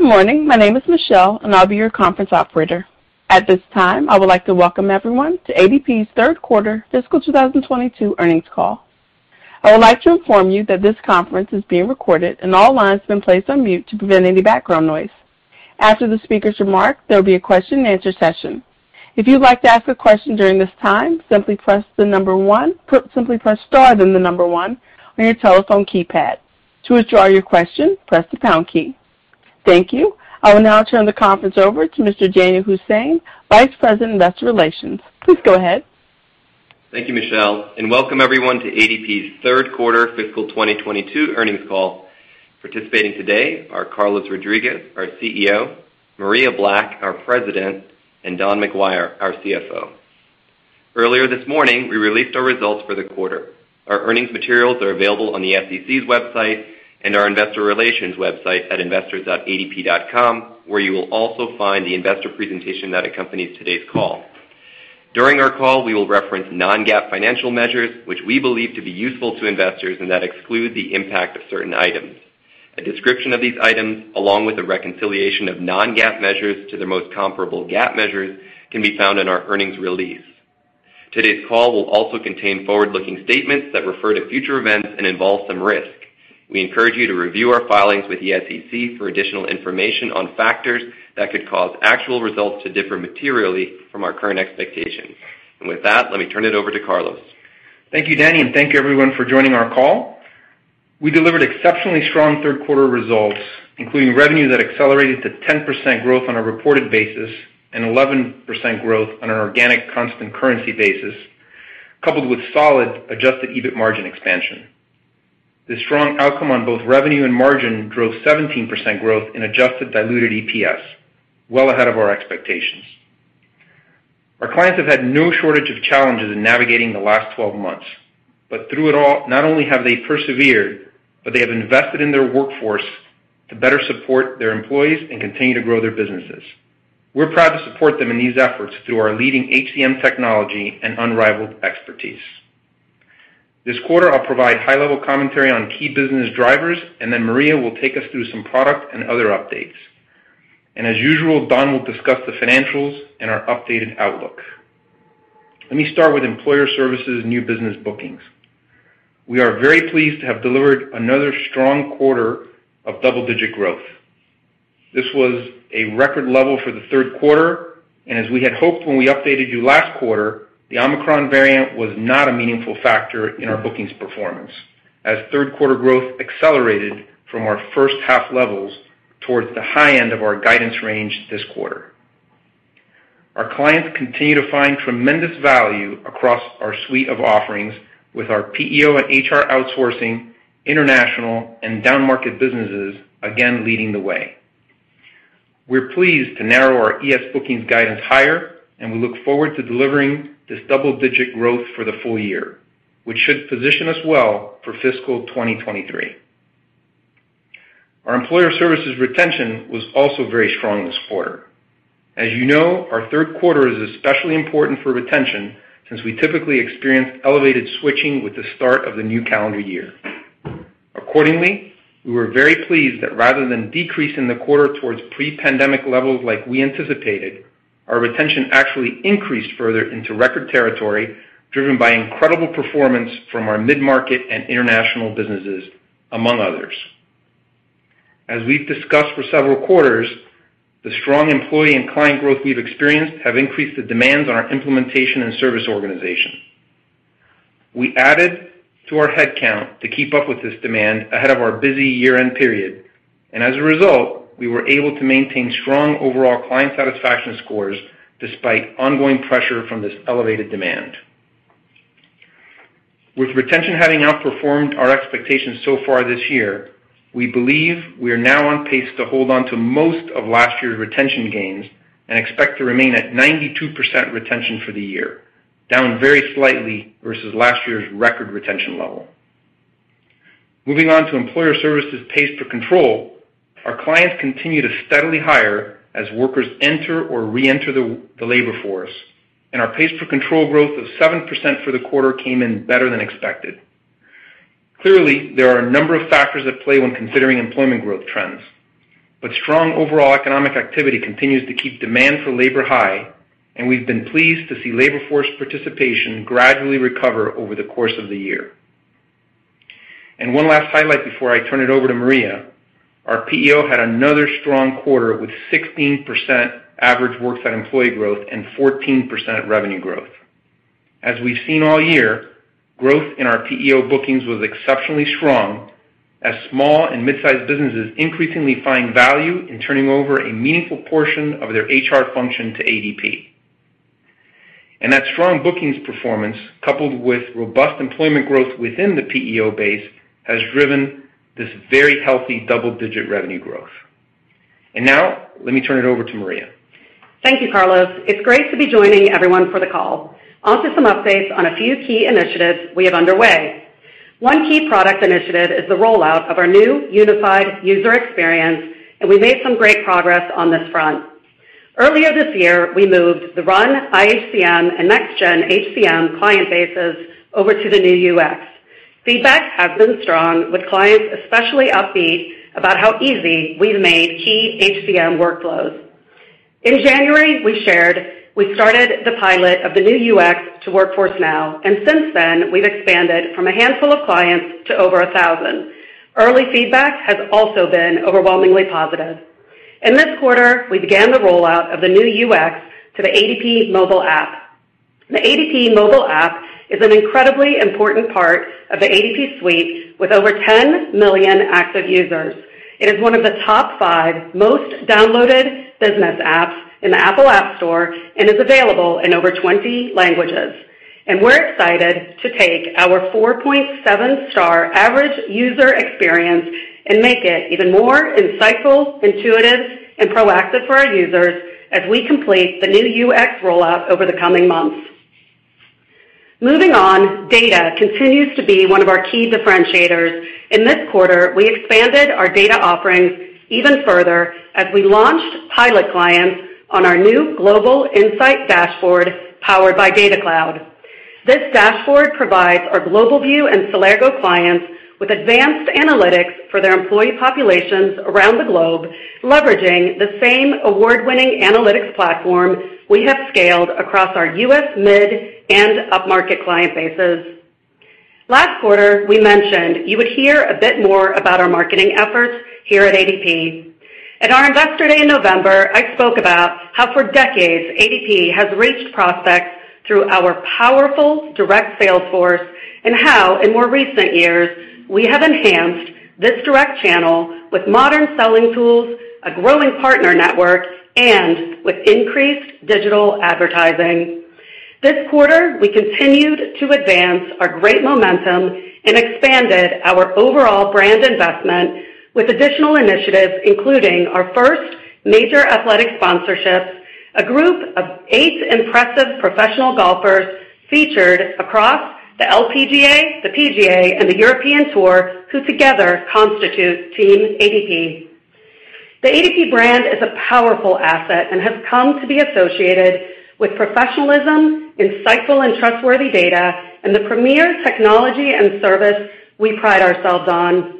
Good morning. My name is Michelle, and I'll be your conference operator. At this time, I would like to welcome everyone to ADP's third quarter fiscal 2022 earnings call. I would like to inform you that this conference is being recorded, and all lines have been placed on mute to prevent any background noise. After the speaker's remarks, there'll be a question and answer session. If you'd like to ask a question during this time, simply press star then the number one on your telephone keypad. To withdraw your question, press the pound key. Thank you. I will now turn the conference over to Mr. Danyal Hussain, Vice President, Investor Relations. Please go ahead. Thank you, Michelle, and welcome everyone to ADP's third quarter fiscal 2022 earnings call. Participating today are Carlos Rodriguez, our CEO, Maria Black, our President, and Don McGuire, our CFO. Earlier this morning, we released our results for the quarter. Our earnings materials are available on the SEC's website and our investor relations website at investors.adp.com, where you will also find the investor presentation that accompanies today's call. During our call, we will reference non-GAAP financial measures, which we believe to be useful to investors and that exclude the impact of certain items. A description of these items, along with a reconciliation of non-GAAP measures to their most comparable GAAP measures, can be found in our earnings release. Today's call will also contain forward-looking statements that refer to future events and involve some risks. We encourage you to review our filings with the SEC for additional information on factors that could cause actual results to differ materially from our current expectations. With that, let me turn it over to Carlos. Thank you, Danyal, and thank you everyone for joining our call. We delivered exceptionally strong third quarter results, including revenue that accelerated to 10% growth on a reported basis and 11% growth on an organic constant currency basis, coupled with solid adjusted EBIT margin expansion. This strong outcome on both revenue and margin drove 17% growth in adjusted diluted EPS, well ahead of our expectations. Our clients have had no shortage of challenges in navigating the last 12 months, but through it all, not only have they persevered, but they have invested in their workforce to better support their employees and continue to grow their businesses. We're proud to support them in these efforts through our leading HCM technology and unrivaled expertise. This quarter, I'll provide high-level commentary on key business drivers, and then Maria will take us through some product and other updates. As usual, Don will discuss the financials and our updated outlook. Let me start with Employer Services new business bookings. We are very pleased to have delivered another strong quarter of double-digit growth. This was a record level for the third quarter, and as we had hoped when we updated you last quarter, the Omicron variant was not a meaningful factor in our bookings performance, as third quarter growth accelerated from our first half levels towards the high end of our guidance range this quarter. Our clients continue to find tremendous value across our suite of offerings with our PEO and HR outsourcing, international, and downmarket businesses again leading the way. We're pleased to narrow our ES bookings guidance higher, and we look forward to delivering this double-digit growth for the full year, which should position us well for fiscal 2023. Our Employer Services retention was also very strong this quarter. As you know, our third quarter is especially important for retention since we typically experience elevated switching with the start of the new calendar year. Accordingly, we were very pleased that rather than decrease in the quarter towards pre-pandemic levels like we anticipated, our retention actually increased further into record territory, driven by incredible performance from our mid-market and international businesses, among others. As we've discussed for several quarters, the strong employee and client growth we've experienced have increased the demands on our implementation and service organization. We added to our headcount to keep up with this demand ahead of our busy year-end period, and as a result, we were able to maintain strong overall client satisfaction scores despite ongoing pressure from this elevated demand. With retention having outperformed our expectations so far this year, we believe we are now on pace to hold onto most of last year's retention gains and expect to remain at 92% retention for the year, down very slightly versus last year's record retention level. Moving on to Employer Services pays per control. Our clients continue to steadily hire as workers enter or reenter the labor force, and our pays per control growth of 7% for the quarter came in better than expected. Clearly, there are a number of factors at play when considering employment growth trends, but strong overall economic activity continues to keep demand for labor high, and we've been pleased to see labor force participation gradually recover over the course of the year. One last highlight before I turn it over to Maria. Our PEO had another strong quarter with 16% average worksite employee growth and 14% revenue growth. As we've seen all year, growth in our PEO bookings was exceptionally strong as small and mid-sized businesses increasingly find value in turning over a meaningful portion of their HR function to ADP. That strong bookings performance, coupled with robust employment growth within the PEO base, has driven this very healthy double-digit revenue growth. Now let me turn it over to Maria. Thank you, Carlos. It's great to be joining everyone for the call. Onto some updates on a few key initiatives we have underway. One key product initiative is the rollout of our new unified user experience, and we made some great progress on this front. Earlier this year, we moved the RUN iHCM and Next Gen HCM client bases over to the new UX. Feedback has been strong, with clients especially upbeat about how easy we've made key HCM workflows. In January, we shared we started the pilot of the new UX to Workforce Now, and since then, we've expanded from a handful of clients to over 1,000. Early feedback has also been overwhelmingly positive. In this quarter, we began the rollout of the new UX to the ADP mobile app. The ADP mobile app is an incredibly important part of the ADP suite with over 10 million active users. It is one of the top five most downloaded business apps in the Apple App Store and is available in over 20 languages. We're excited to take our 4.7-star average user experience and make it even more insightful, intuitive, and proactive for our users as we complete the new UX rollout over the coming months. Moving on, data continues to be one of our key differentiators. In this quarter, we expanded our data offerings even further as we launched pilot clients on our new Global Insight dashboard, powered by DataCloud. This dashboard provides our GlobalView and Celergo clients with advanced analytics for their employee populations around the globe, leveraging the same award-winning analytics platform we have scaled across our U.S. mid- and upmarket client bases. Last quarter, we mentioned you would hear a bit more about our marketing efforts here at ADP. At our Investor Day in November, I spoke about how for decades, ADP has reached prospects through our powerful direct sales force, and how in more recent years, we have enhanced this direct channel with modern selling tools, a growing partner network, and with increased digital advertising. This quarter, we continued to advance our great momentum and expanded our overall brand investment with additional initiatives, including our first major athletic sponsorship, a group of eight impressive professional golfers featured across the LPGA, the PGA, and the European Tour, who together constitute Team ADP. The ADP brand is a powerful asset and has come to be associated with professionalism, insightful and trustworthy data, and the premier technology and service we pride ourselves on.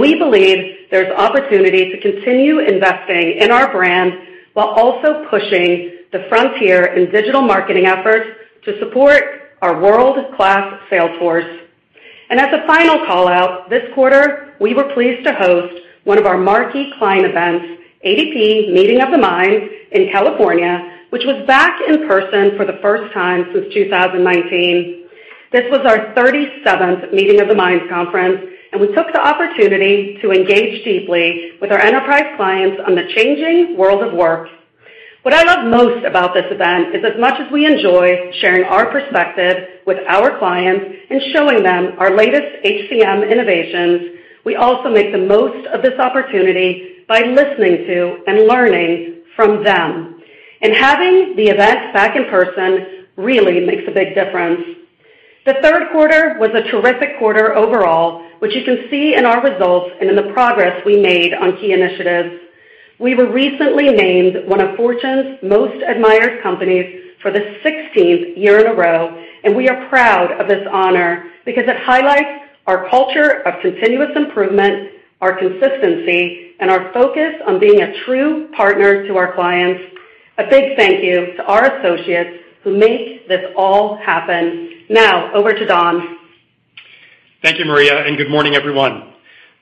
We believe there's opportunity to continue investing in our brand while also pushing the frontier in digital marketing efforts to support our world-class sales force. As a final call-out, this quarter, we were pleased to host one of our marquee client events, ADP Meeting of the Minds in California, which was back in person for the first time since 2019. This was our 37th Meeting of the Minds conference, and we took the opportunity to engage deeply with our enterprise clients on the changing world of work. What I love most about this event is as much as we enjoy sharing our perspective with our clients and showing them our latest HCM innovations, we also make the most of this opportunity by listening to and learning from them. Having the event back in person really makes a big difference. The third quarter was a terrific quarter overall, which you can see in our results and in the progress, we made on key initiatives. We were recently named one of Fortune's Most Admired Companies for the sixteenth year in a row, and we are proud of this honor because it highlights our culture of continuous improvement, our consistency, and our focus on being a true partner to our clients. A big thank you to our associates who make this all happen. Now, over to Don. Thank you, Maria, and good morning, everyone.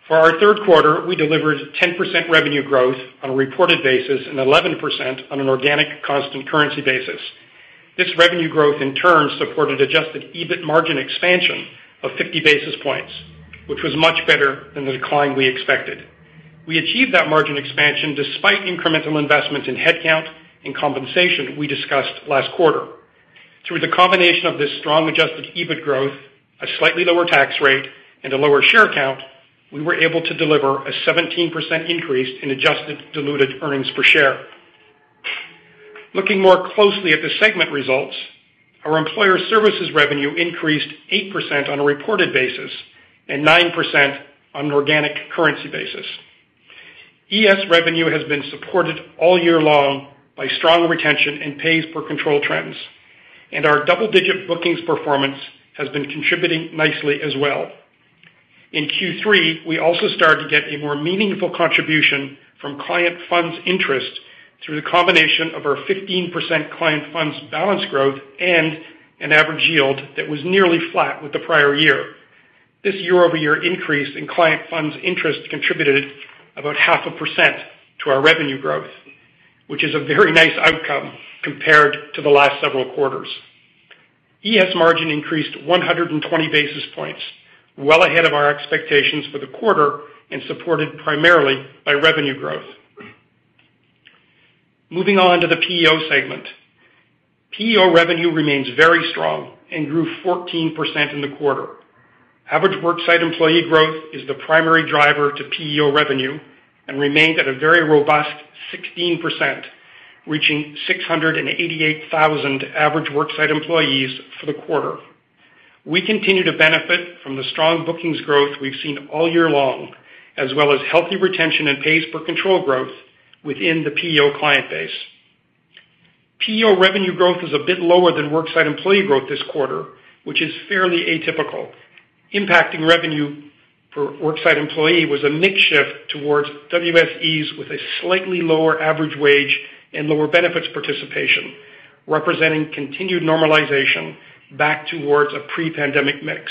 For our third quarter, we delivered 10% revenue growth on a reported basis and 11% on an organic constant currency basis. This revenue growth, in turn, supported adjusted EBIT margin expansion of 50 basis points, which was much better than the decline we expected. We achieved that margin expansion despite incremental investments in headcount and compensation we discussed last quarter. Through the combination of this strong adjusted EBIT growth, a slightly lower tax rate, and a lower share count, we were able to deliver a 17% increase in adjusted diluted earnings per share. Looking more closely at the segment results, our Employer Services revenue increased 8% on a reported basis and 9% on an organic currency basis. ES revenue has been supported all year long by strong retention and pays per control trends, and our double-digit bookings performance has been contributing nicely as well. In Q3, we also started to get a more meaningful contribution from client funds interest through the combination of our 15% client funds balance growth and an average yield that was nearly flat with the prior year. This year-over-year increase in client funds interest contributed about 0.5% to our revenue growth, which is a very nice outcome compared to the last several quarters. ES margin increased 120 basis points, well ahead of our expectations for the quarter and supported primarily by revenue growth. Moving on to the PEO segment. PEO revenue remains very strong and grew 14% in the quarter. Average worksite employee growth is the primary driver to PEO revenue and remained at a very robust 16%, reaching 688,000 average worksite employees for the quarter. We continue to benefit from the strong bookings growth we've seen all year long, as well as healthy retention and pays per control growth within the PEO client base. PEO revenue growth is a bit lower than worksite employee growth this quarter, which is fairly atypical. Impacting revenue for worksite employee was a mix shift towards WSEs with a slightly lower average wage and lower benefits participation, representing continued normalization back towards a pre-pandemic mix.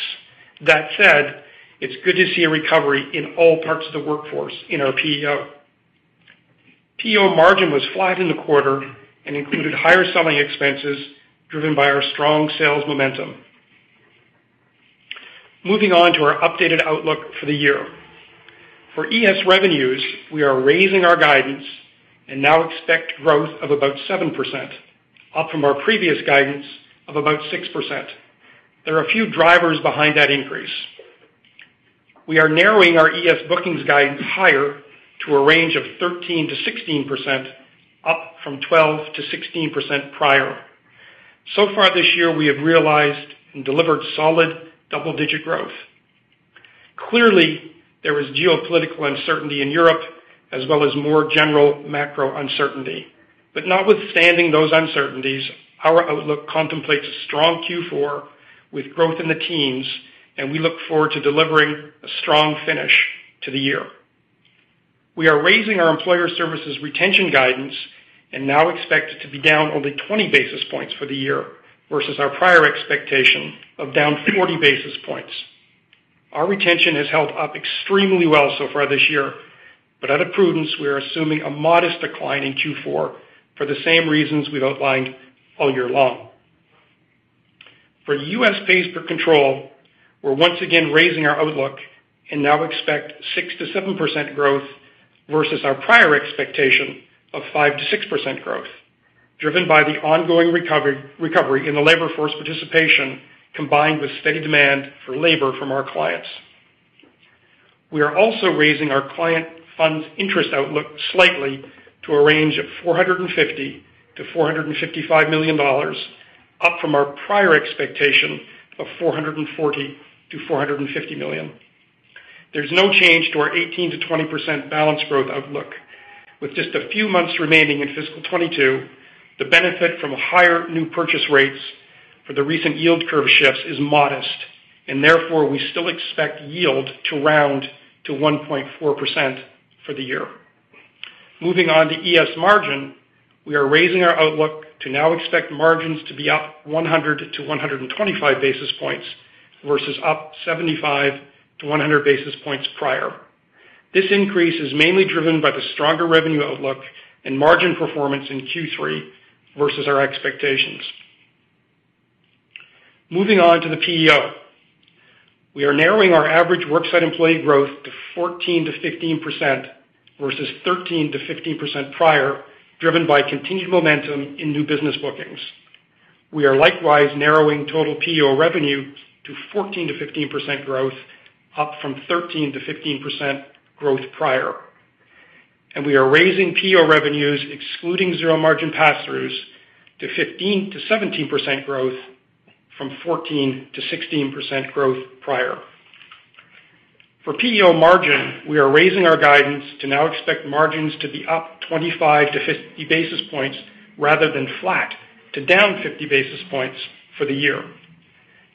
That said, it's good to see a recovery in all parts of the workforce in our PEO. PEO margin was flat in the quarter and included higher selling expenses driven by our strong sales momentum. Moving on to our updated outlook for the year. For ES revenues, we are raising our guidance and now expect growth of about 7%, up from our previous guidance of about 6%. There are a few drivers behind that increase. We are narrowing our ES bookings guidance higher to a range of 13%-16%, up from 12%-16% prior. So far this year, we have realized and delivered solid double-digit growth. Clearly, there is geopolitical uncertainty in Europe as well as more general macro uncertainty. Notwithstanding those uncertainties, our outlook contemplates a strong Q4 with growth in the teens, and we look forward to delivering a strong finish to the year. We are raising our Employer Services retention guidance and now expect it to be down only 20 basis points for the year versus our prior expectation of down 40 basis points. Our retention has held up extremely well so far this year, but out of prudence, we are assuming a modest decline in Q4 for the same reasons we've outlined all year long. For U.S. pays per control, we're once again raising our outlook and now expect 6%-7% growth versus our prior expectation of 5%-6% growth, driven by the ongoing recovery in the labor force participation, combined with steady demand for labor from our clients. We are also raising our client funds interest outlook slightly to a range of $450 million-$455 million, up from our prior expectation of $440 million-$450 million. There's no change to our 18%-20% bookings growth outlook. With just a few months remaining in fiscal 2022, the benefit from higher new purchase rates for the recent yield curve shifts is modest, and therefore, we still expect yield to round to 1.4% for the year. Moving on to ES margin, we are raising our outlook to now expect margins to be up 100-125 basis points versus up 75-100 basis points prior. This increase is mainly driven by the stronger revenue outlook and margin performance in Q3 versus our expectations. Moving on to the PEO. We are narrowing our average worksite employee growth to 14%-15% versus 13%-15% prior, driven by continued momentum in new business bookings. We are likewise narrowing total PEO revenue to 14%-15% growth, up from 13%-15% growth prior. We are raising PEO revenues, excluding zero margin passthroughs, to 15%-17% growth from 14%-16% growth prior. For PEO margin, we are raising our guidance to now expect margins to be up 25-50 basis points rather than flat to down 50 basis points for the year.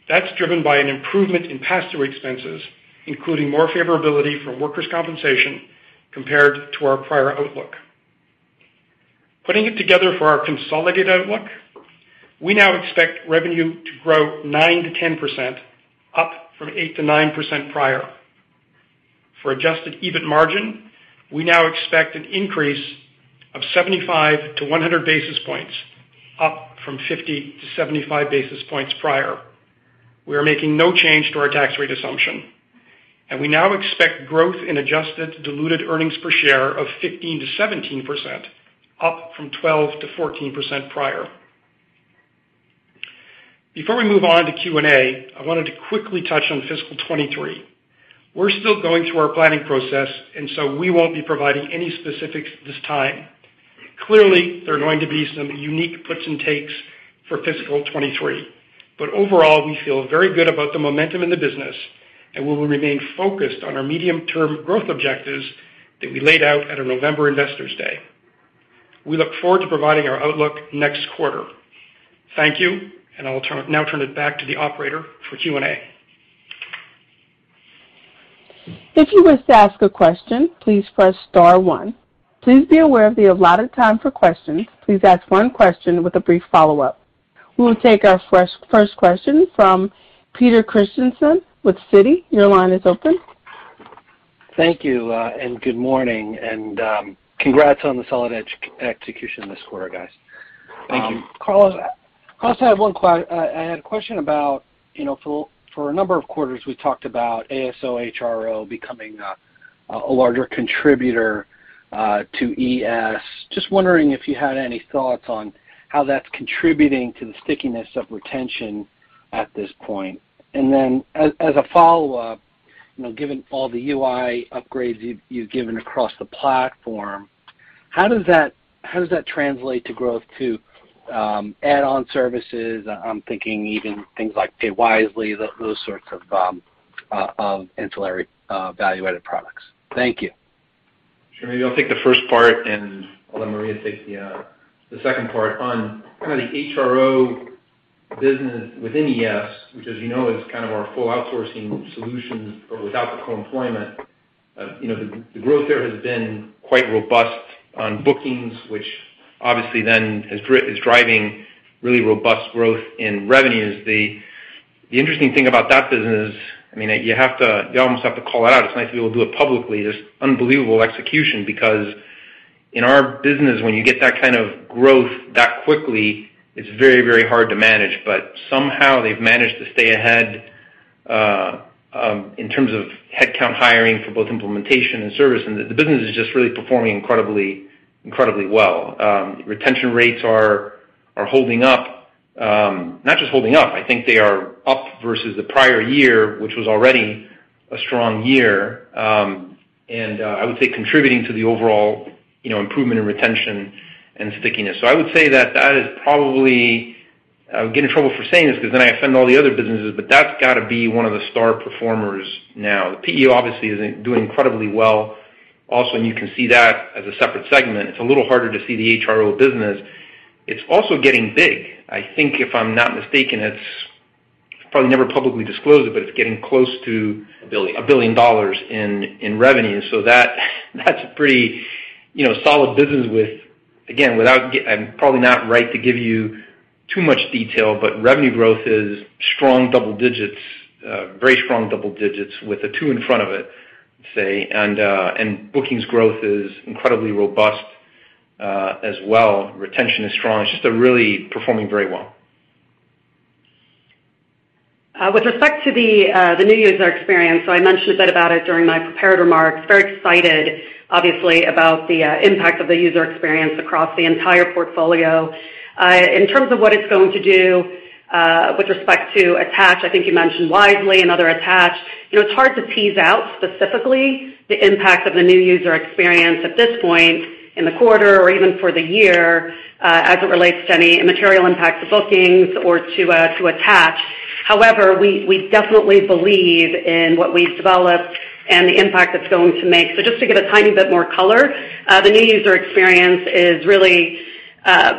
That's driven by an improvement in passthrough expenses, including more favorability for workers' compensation compared to our prior outlook. Putting it together for our consolidated outlook, we now expect revenue to grow 9%-10%, up from 8%-9% prior. For adjusted EBIT margin, we now expect an increase of 75-100 basis points, up from 50-75 basis points prior. We are making no change to our tax rate assumption, and we now expect growth in adjusted diluted earnings per share of 15%-17%, up from 12%-14% prior. Before we move on to Q&A, I wanted to quickly touch on fiscal 2023. We're still going through our planning process, and so we won't be providing any specifics at this time. Clearly, there are going to be some unique puts and takes for fiscal 2023, but overall, we feel very good about the momentum in the business, and we will remain focused on our medium-term growth objectives that we laid out at our November Investor Day. We look forward to providing our outlook next quarter. Thank you, and I'll now turn it back to the operator for Q&A. If you wish to ask a question, please press star one. Please be aware of the allotted time for questions. Please ask one question with a brief follow-up. We will take our first question from Peter Christiansen with Citi. Your line is open. Thank you, and good morning. Congrats on the solid execution this quarter, guys. Thank you. Carlos, I also have one question about, you know, for a number of quarters, we talked about ASO/HRO becoming a larger contributor to ES. Just wondering if you had any thoughts on how that's contributing to the stickiness of retention at this point. As a follow-up, you know, given all the UI upgrades you've given across the platform. How does that translate to growth to add-on services? I'm thinking even things like Wisely, those sorts of ancillary, value-added products. Thank you. Sure. Maybe I'll take the first part, and I'll let Maria take the second part. On kind of the HRO business within ES, which, as you know, is kind of our full outsourcing solution, but without the co-employment, you know, the growth there has been quite robust on bookings, which obviously then is driving really robust growth in revenues. The interesting thing about that business, I mean, you have to. You almost have to call it out. It's nice to be able to do it publicly. Just unbelievable execution. Because in our business, when you get that kind of growth that quickly, it's very, very hard to manage. But somehow, they've managed to stay ahead in terms of headcount hiring for both implementation and service. The business is just really performing incredibly well. Retention rates are holding up. Not just holding up, I think they are up versus the prior year, which was already a strong year. I would say contributing to the overall, you know, improvement in retention and stickiness. I would say that is probably. I would get in trouble for saying this because then I offend all the other businesses, but that's got to be one of the star performers now. The PEO obviously is doing incredibly well also, and you can see that as a separate segment. It's a little harder to see the HRO business. It's also getting big. I think, if I'm not mistaken, it's probably never publicly disclosed, but it's getting close to- $1 billion $1 billion in revenue. That's a pretty, you know, solid business. Again, I'm probably not right to give you too much detail, but revenue growth is strong double digits, very strong double digits with a two in front of it, say. Bookings growth is incredibly robust, as well. Retention is strong. It's just they're really performing very well. With respect to the new user experience, I mentioned a bit about it during my prepared remarks. Very excited, obviously, about the impact of the user experience across the entire portfolio. In terms of what it's going to do with respect to attach, I think you mentioned Wisely and other attach. You know, it's hard to tease out specifically the impact of the new user experience at this point in the quarter or even for the year as it relates to any material impact to bookings or to attach. However, we definitely believe in what we've developed and the impact it's going to make. Just to give a tiny bit more color, the new user experience is really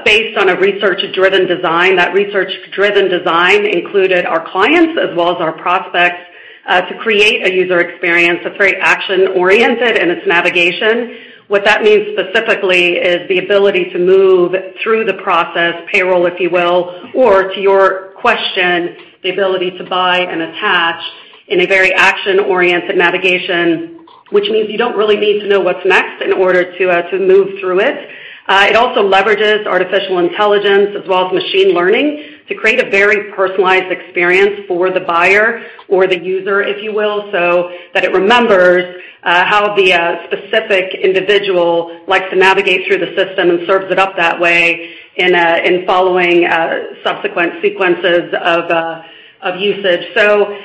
based on a research-driven design. That research-driven design included our clients as well as our prospects, to create a user experience that's very action-oriented in its navigation. What that means specifically is the ability to move through the process, payroll, if you will, or to your question, the ability to buy and attach in a very action-oriented navigation, which means you don't really need to know what's next in order to move through it. It also leverages artificial intelligence as well as machine learning to create a very personalized experience for the buyer or the user, if you will, so that it remembers how the specific individual likes to navigate through the system and serves it up that way in following subsequent sequences of usage. The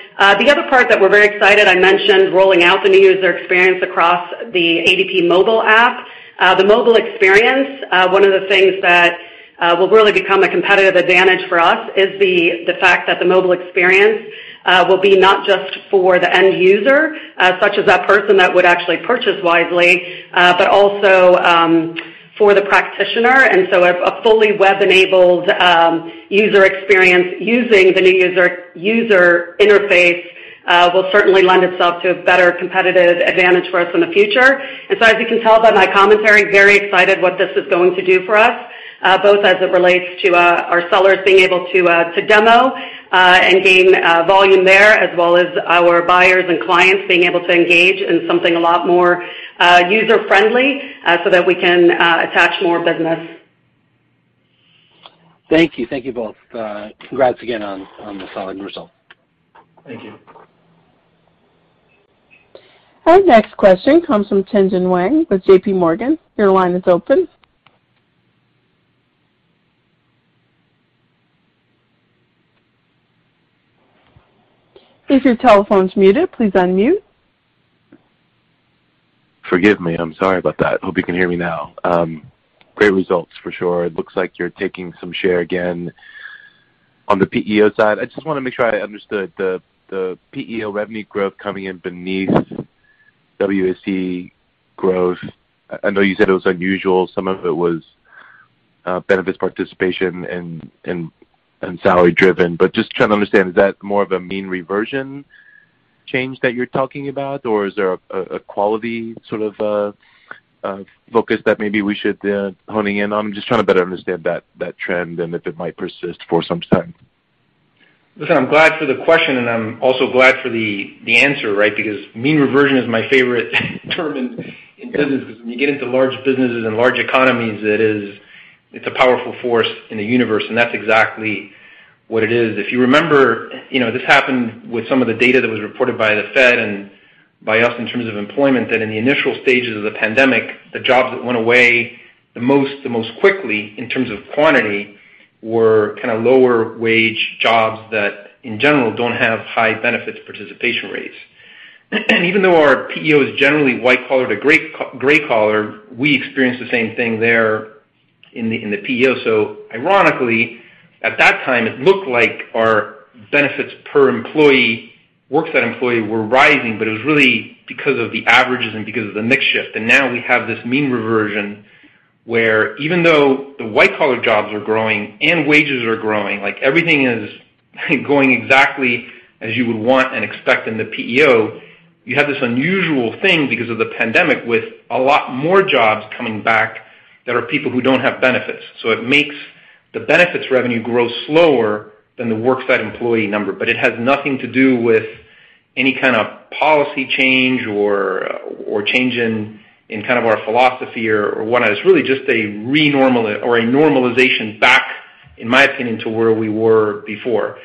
other part that we're very excited, I mentioned rolling out the new user experience across the ADP mobile app. The mobile experience, one of the things that will really become a competitive advantage for us is the fact that the mobile experience will be not just for the end user, such as that person that would actually purchase Wisely, but also for the practitioner. A fully web-enabled user experience using the new user interface will certainly lend itself to a better competitive advantage for us in the future. As you can tell by my commentary, very excited what this is going to do for us, both as it relates to our sellers being able to to demo and gain volume there, as well as our buyers and clients being able to engage in something a lot more user-friendly, so that we can attach more business. Thank you. Thank you both. Congrats again on the solid results. Thank you. Our next question comes from Tien-Tsin Huang with JP Morgan. Your line is open. If your telephone is muted, please unmute. Forgive me. I'm sorry about that. Hope you can hear me now. Great results for sure. It looks like you're taking some share again on the PEO side. I just wanna make sure I understood the PEO revenue growth coming in beneath WSE growth. I know you said it was unusual. Some of it was benefits participation and salary driven. Just trying to understand, is that more of a mean reversion change that you're talking about, or is there a quality sort of focus that maybe we should be honing in on? I'm just trying to better understand that trend and if it might persist for some time. Listen, I'm glad for the question, and I'm also glad for the answer, right? Because mean reversion is my favorite term in business, because when you get into large businesses and large economies, it is. It's a powerful force in the universe, and that's exactly what it is. If you remember, you know, this happened with some of the data that was reported by the Fed and by us in terms of employment, that in the initial stages of the pandemic, the jobs that went away the most, the most quickly in terms of quantity were kinda lower wage jobs that, in general, don't have high benefits participation rates. And even though our PEO is generally white collar to gray collar, we experience the same thing there in the PEO. Ironically, at that time, it looked like our benefits per employee, worksite employee were rising, but it was really because of the averages and because of the mix shift. Now we have this mean reversion where even though the white collar jobs are growing and wages are growing, like everything is going exactly as you would want and expect in the PEO, you have this unusual thing because of the pandemic with a lot more jobs coming back that are people who don't have benefits. It makes the benefits revenue grow slower than the worksite employee number. It has nothing to do with any kind of policy change or change in kind of our philosophy or whatnot. It's really just a renormalization back, in my opinion, to where we were before.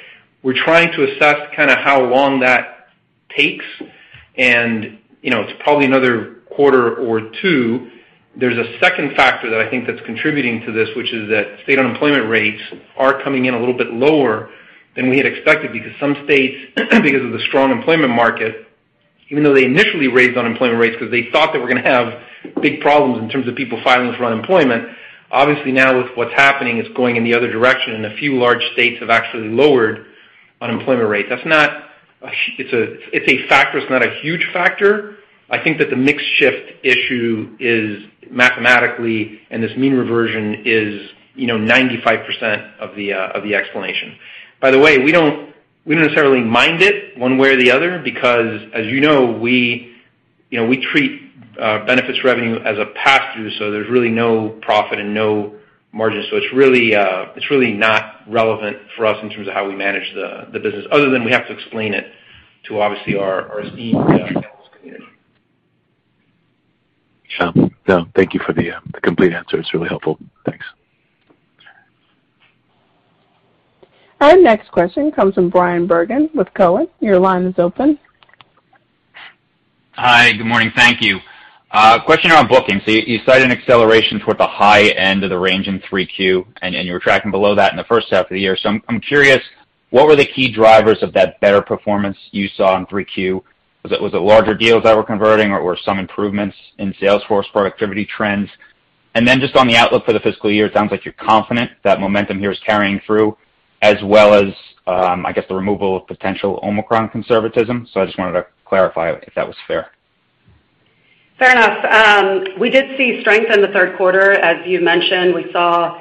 We're trying to assess kinda how long that takes. You know, it's probably another quarter or two. There's a second factor that I think that's contributing to this, which is that state unemployment rates are coming in a little bit lower than we had expected because some states, because of the strong employment market, even though they initially raised unemployment rates because they thought they were gonna have big problems in terms of people filing for unemployment, obviously now with what's happening, it's going in the other direction, and a few large states have actually lowered unemployment rates. It's a factor. It's not a huge factor. I think that the mix shift issue is mathematically, and this mean reversion is, you know, 95% of the explanation. By the way, we don't necessarily mind it one way or the other because, as you know, we, you know, we treat benefits revenue as a pass-through. There's really no profit and no margin. It's really not relevant for us in terms of how we manage the business other than we have to explain it to obviously our CRO community. Sure. No, thank you for the complete answer. It's really helpful. Thanks. Our next question comes from Bryan Bergin with Cowen. Your line is open. Hi. Good morning. Thank you. Question around bookings. You cited an acceleration toward the high end of the range in 3Q, and you were tracking below that in the first half of the year. I'm curious, what were the key drivers of that better performance you saw in 3Q? Was it larger deals that were converting or some improvements in sales force productivity trends? Then just on the outlook for the fiscal year, it sounds like you're confident that momentum here is carrying through as well as I guess the removal of potential Omicron conservatism. I just wanted to clarify if that was fair. Fair enough. We did see strength in the third quarter. As you mentioned, we saw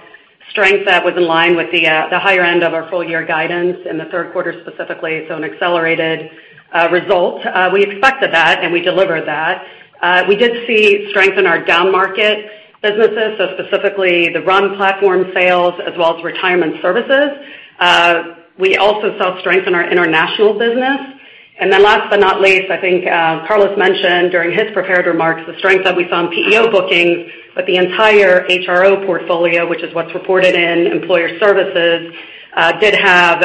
strength that was in line with the higher end of our full year guidance in the third quarter specifically, so an accelerated result. We expected that, and we delivered that. We did see strength in our downmarket businesses, so specifically the RUN platform sales as well as retirement services. We also saw strength in our international business. Last but not least, I think Carlos mentioned during his prepared remarks the strength that we saw in PEO bookings with the entire HRO portfolio, which is what's reported in Employer Services, did have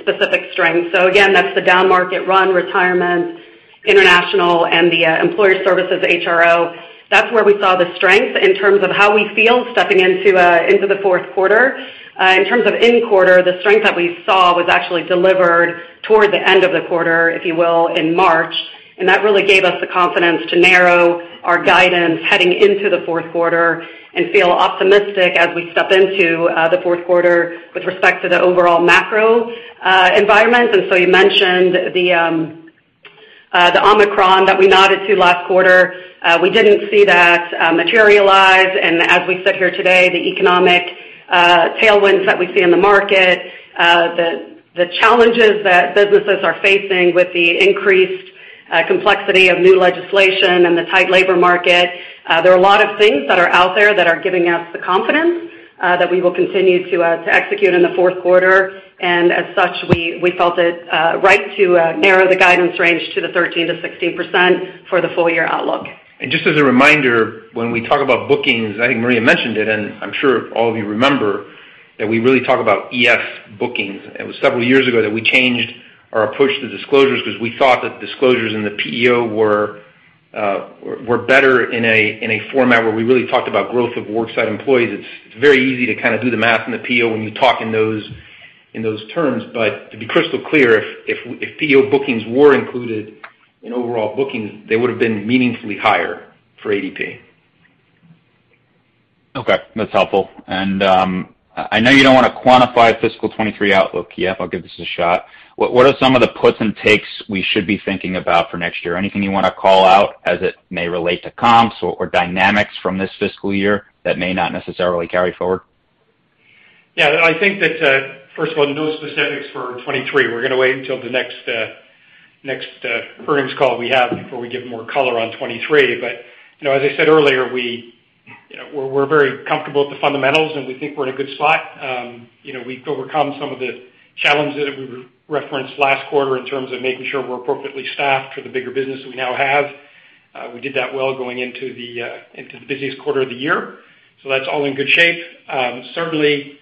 specific strengths. Again, that's the downmarket RUN retirement international and the Employer Services HRO. That's where we saw the strength in terms of how we feel stepping into the fourth quarter. In terms of the quarter, the strength that we saw was actually delivered toward the end of the quarter, if you will, in March, and that really gave us the confidence to narrow our guidance heading into the fourth quarter and feel optimistic as we step into the fourth quarter with respect to the overall macro environment. You mentioned the Omicron that we nodded to last quarter. We didn't see that materialize. As we sit here today, the economic tailwinds that we see in the market, the challenges that businesses are facing with the increased complexity of new legislation and the tight labor market, there are a lot of things that are out there that are giving us the confidence that we will continue to execute in the fourth quarter. As such, we felt it right to narrow the guidance range to 13%-16% for the full year outlook. Just as a reminder, when we talk about bookings, I think Maria mentioned it, and I'm sure all of you remember that we really talk about ES bookings. It was several years ago that we changed our approach to disclosures because we thought that disclosures in the PEO were better in a format where we really talked about growth of worksite employees. It's very easy to kinda do the math in the PEO when you talk in those terms. But to be crystal clear, if PEO bookings were included in overall bookings, they would have been meaningfully higher for ADP. Okay, that's helpful. I know you don't wanna quantify fiscal 2023 outlook, yeah, but I'll give this a shot. What are some of the puts and takes we should be thinking about for next year? Anything you wanna call out as it may relate to comps or dynamics from this fiscal year that may not necessarily carry forward? Yeah, I think that first of all, no specifics for 2023. We're gonna wait until the next earnings call we have before we give more color on 2023. You know, as I said earlier, you know, we're very comfortable with the fundamentals, and we think we're in a good spot. You know, we've overcome some of the challenges that we referenced last quarter in terms of making sure we're appropriately staffed for the bigger business we now have. We did that well going into the busiest quarter of the year. That's all in good shape. Certainly,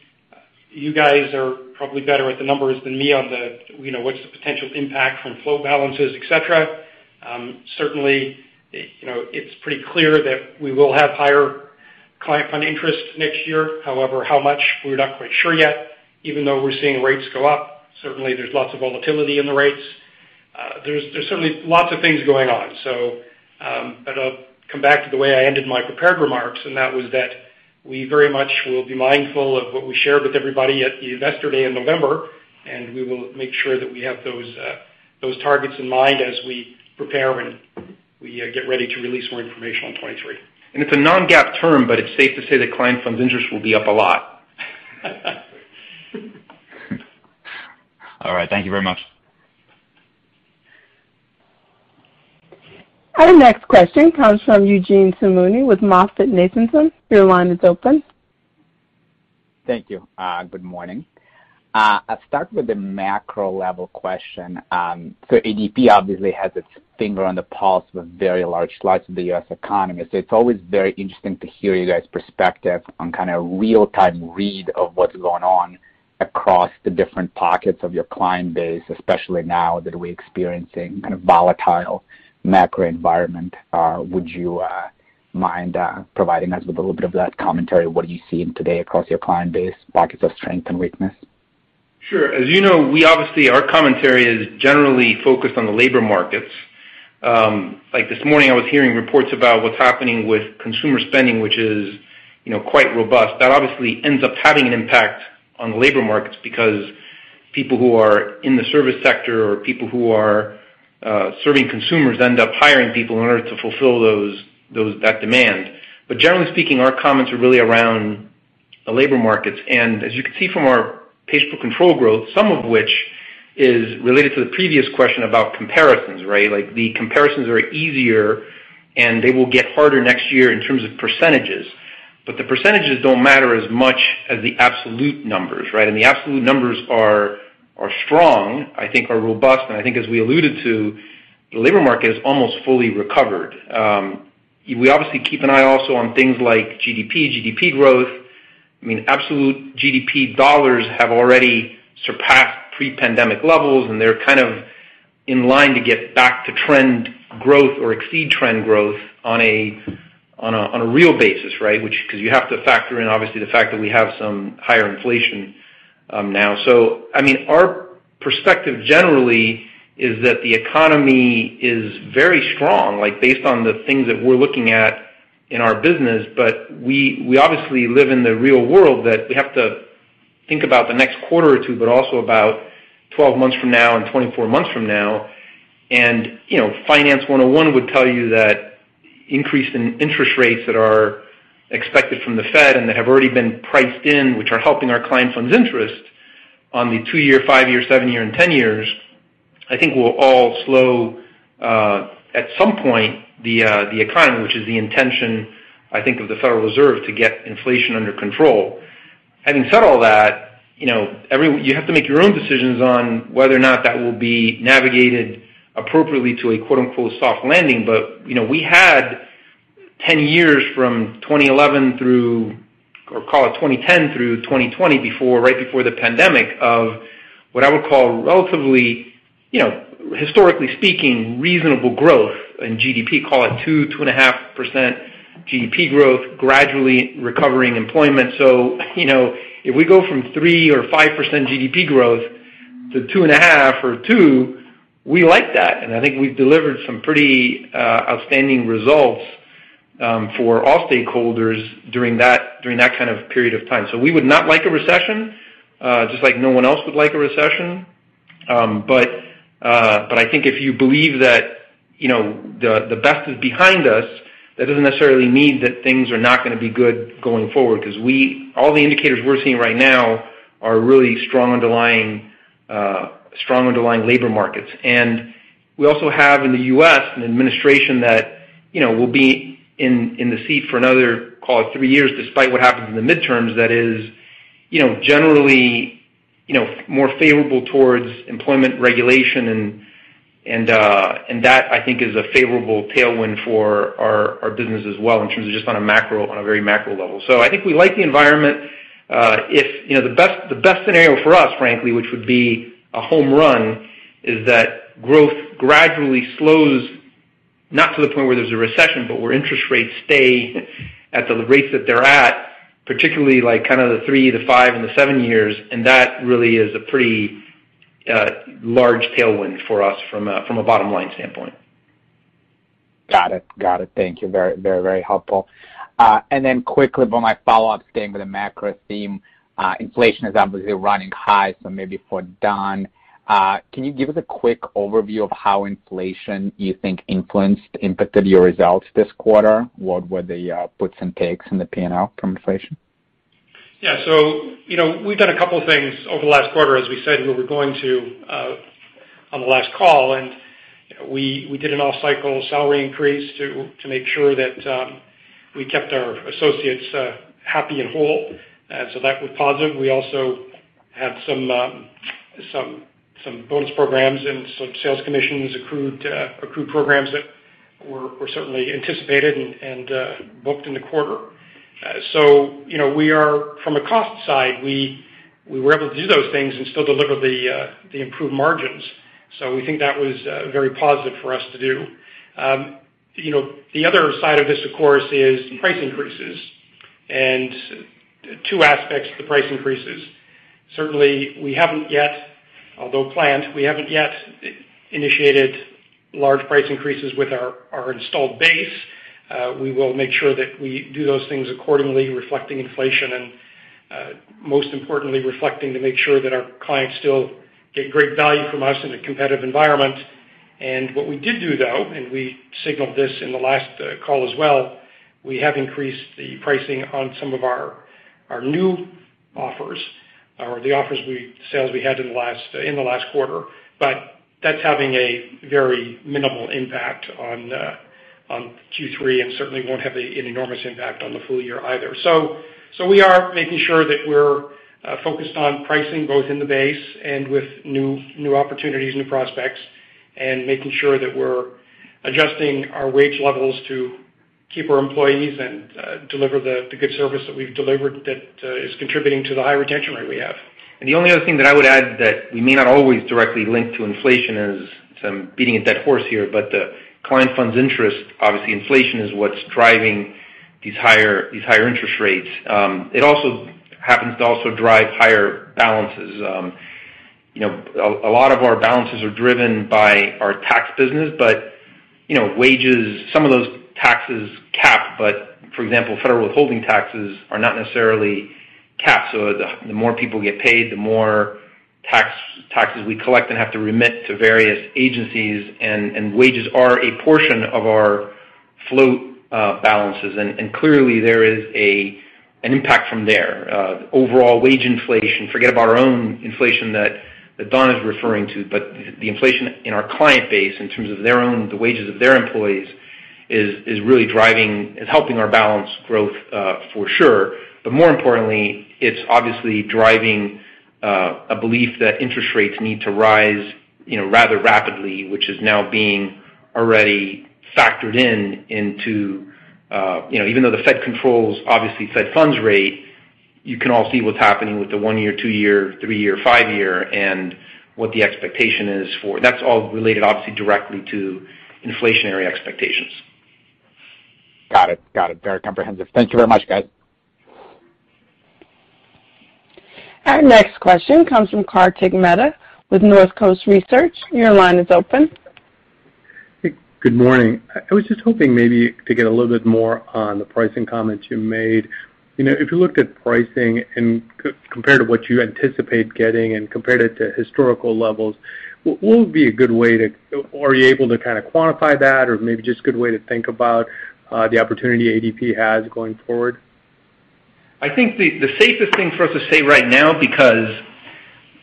you guys are probably better at the numbers than me on the, you know, what's the potential impact from flow balances, et cetera. Certainly, you know, it's pretty clear that we will have higher client fund interest next year. However, how much, we're not quite sure yet, even though we're seeing rates go up. Certainly, there's lots of volatility in the rates. There's certainly lots of things going on. I'll come back to the way I ended my prepared remarks, and that was that we very much will be mindful of what we shared with everybody at the Investor Day in November, and we will make sure that we have those targets in mind as we prepare when we get ready to release more information on 2023. It's a non-GAAP term, but it's safe to say that client funds interest will be up a lot. All right. Thank you very much. Our next question comes from Eugene Simuni with MoffettNathanson. Your line is open. Thank you. Good morning. I'll start with a macro-level question. ADP obviously has its finger on the pulse of a very large slice of the U.S. economy. It's always very interesting to hear you guys' perspective on kind of real-time read of what is going on across the different pockets of your client base, especially now that we're experiencing kind of volatile macro environment. Would you mind providing us with a little bit of that commentary, what are you seeing today across your client base, pockets of strength and weakness? Sure. As you know, we obviously our commentary is generally focused on the labor markets. Like this morning, I was hearing reports about what's happening with consumer spending, which is, you know, quite robust. That obviously ends up having an impact on the labor markets because people who are in the service sector or people who are serving consumers end up hiring people in order to fulfill those, that demand. Generally speaking, our comments are really around the labor markets. As you can see from our pays per control growth, some of which is related to the previous question about comparisons, right? Like, the comparisons are easier, and they will get harder next year in terms of percentages. The percentages don't matter as much as the absolute numbers, right? The absolute numbers are strong, I think are robust. I think as we alluded to, the labor market is almost fully recovered. We obviously keep an eye also on things like GDP growth. I mean, absolute GDP dollars have already surpassed pre-pandemic levels, and they're kind of in line to get back to trend growth or exceed trend growth on a real basis, right? Which 'cause you have to factor in, obviously, the fact that we have some higher inflation, now. I mean, our perspective generally is that the economy is very strong, like based on the things that we're looking at in our business. But we obviously live in the real world that we have to think about the next quarter or two, but also about 12 months from now and 24 months from now. You know, Finance 101 would tell you that increase in interest rates that are expected from the Fed and that have already been priced in, which are helping our client funds interest on the two-year, five-year, seven-year, and 10-year, I think will all slow at some point the economy, which is the intention, I think, of the Federal Reserve to get inflation under control. Having said all that, you know, you have to make your own decisions on whether or not that will be navigated appropriately to a quote-unquote, "soft landing." You know, we had 10 years from 2011 through, or call it 2010 through 2020, before, right before the pandemic of what I would call relatively, you know, historically speaking, reasonable growth in GDP, call it 2%,2.5% GDP growth, gradually recovering employment. You know, if we go from 3% or 5% GDP growth to 2.5% or 2%, we like that. I think we've delivered some pretty outstanding results for all stakeholders during that kind of period of time. We would not like a recession, just like no one else would like a recession. I think if you believe that, you know, the best is behind us, that doesn't necessarily mean that things are not gonna be good going forward 'cause all the indicators we're seeing right now are really strong underlying labor markets. We also have in the U.S. an administration that, you know, will be in the seat for another, call it three years, despite what happens in the midterms, that is, you know, generally, you know, more favorable towards employment regulation and that, I think is a favorable tailwind for our business as well in terms of just on a very macro level. I think we like the environment. If, you know, the best scenario for us, frankly, which would be a home run, is that growth gradually slows, not to the point where there's a recession, but where interest rates stay at the rates that they're at, particularly like kinda the three to five and the seven years, and that really is a pretty large tailwind for us from a bottom-line standpoint. Got it. Thank you. Very helpful. Then quickly for my follow-up, staying with the macro theme, inflation is obviously running high, so maybe for Don. Can you give us a quick overview of how inflation you think influenced, impacted your results this quarter? What were the puts and takes in the P&L from inflation? Yeah. You know, we've done a couple of things over the last quarter, as we said we were going to, on the last call. We did an off-cycle salary increase to make sure that we kept our associates happy and whole. That was positive. We also had some bonus programs and some sales commissions, accrued programs that were certainly anticipated and booked in the quarter. You know, from a cost side, we were able to do those things and still deliver the improved margins. We think that was very positive for us to do. You know, the other side of this of course is price increases, and two aspects to the price increases. Certainly we haven't yet, although planned, initiated large price increases with our installed base. We will make sure that we do those things accordingly, reflecting inflation and, most importantly, reflecting to make sure that our clients still get great value from us in a competitive environment. What we did do though, we signaled this in the last call as well, we have increased the pricing on some of our new offers or the sales we had in the last quarter. That's having a very minimal impact on Q3, and certainly won't have an enormous impact on the full year either. We are making sure that we're focused on pricing both in the base and with new opportunities, new prospects, and making sure that we're adjusting our wage levels to keep our employees and deliver the good service that we've delivered that is contributing to the high retention rate we have. The only other thing that I would add that we may not always directly link to inflation is, so I'm beating a dead horse here, but the client funds interest, obviously inflation is what's driving these higher interest rates. It also happens to also drive higher balances. You know, a lot of our balances are driven by our tax business, but you know, wages, some of those taxes cap. For example, federal withholding taxes are not necessarily capped, so the more people get paid, the more taxes we collect and have to remit to various agencies. Wages are a portion of our float balances and clearly there is an impact from there. Overall wage inflation, forget about our own inflation that Don is referring to, but the inflation in our client base in terms of their own, the wages of their employees is really driving, helping our balance growth, for sure. But more importantly, it's obviously driving a belief that interest rates need to rise, you know, rather rapidly, which is now being already factored in into, you know, even though the Fed controls obviously Fed funds rate, you can all see what's happening with the one-year, two-year, three-year, five-year, and what the expectation is for. That's all related obviously directly to inflationary expectations. Got it. Got it. Very comprehensive. Thank you very much, guys. Our next question comes from Kartik Mehta with Northcoast Research. Your line is open. Good morning. I was just hoping maybe to get a little bit more on the pricing comments you made. You know, if you looked at pricing and compared to what you anticipate getting and compared it to historical levels, are you able to kinda quantify that or maybe just a good way to think about the opportunity ADP has going forward? I think the safest thing for us to say right now, because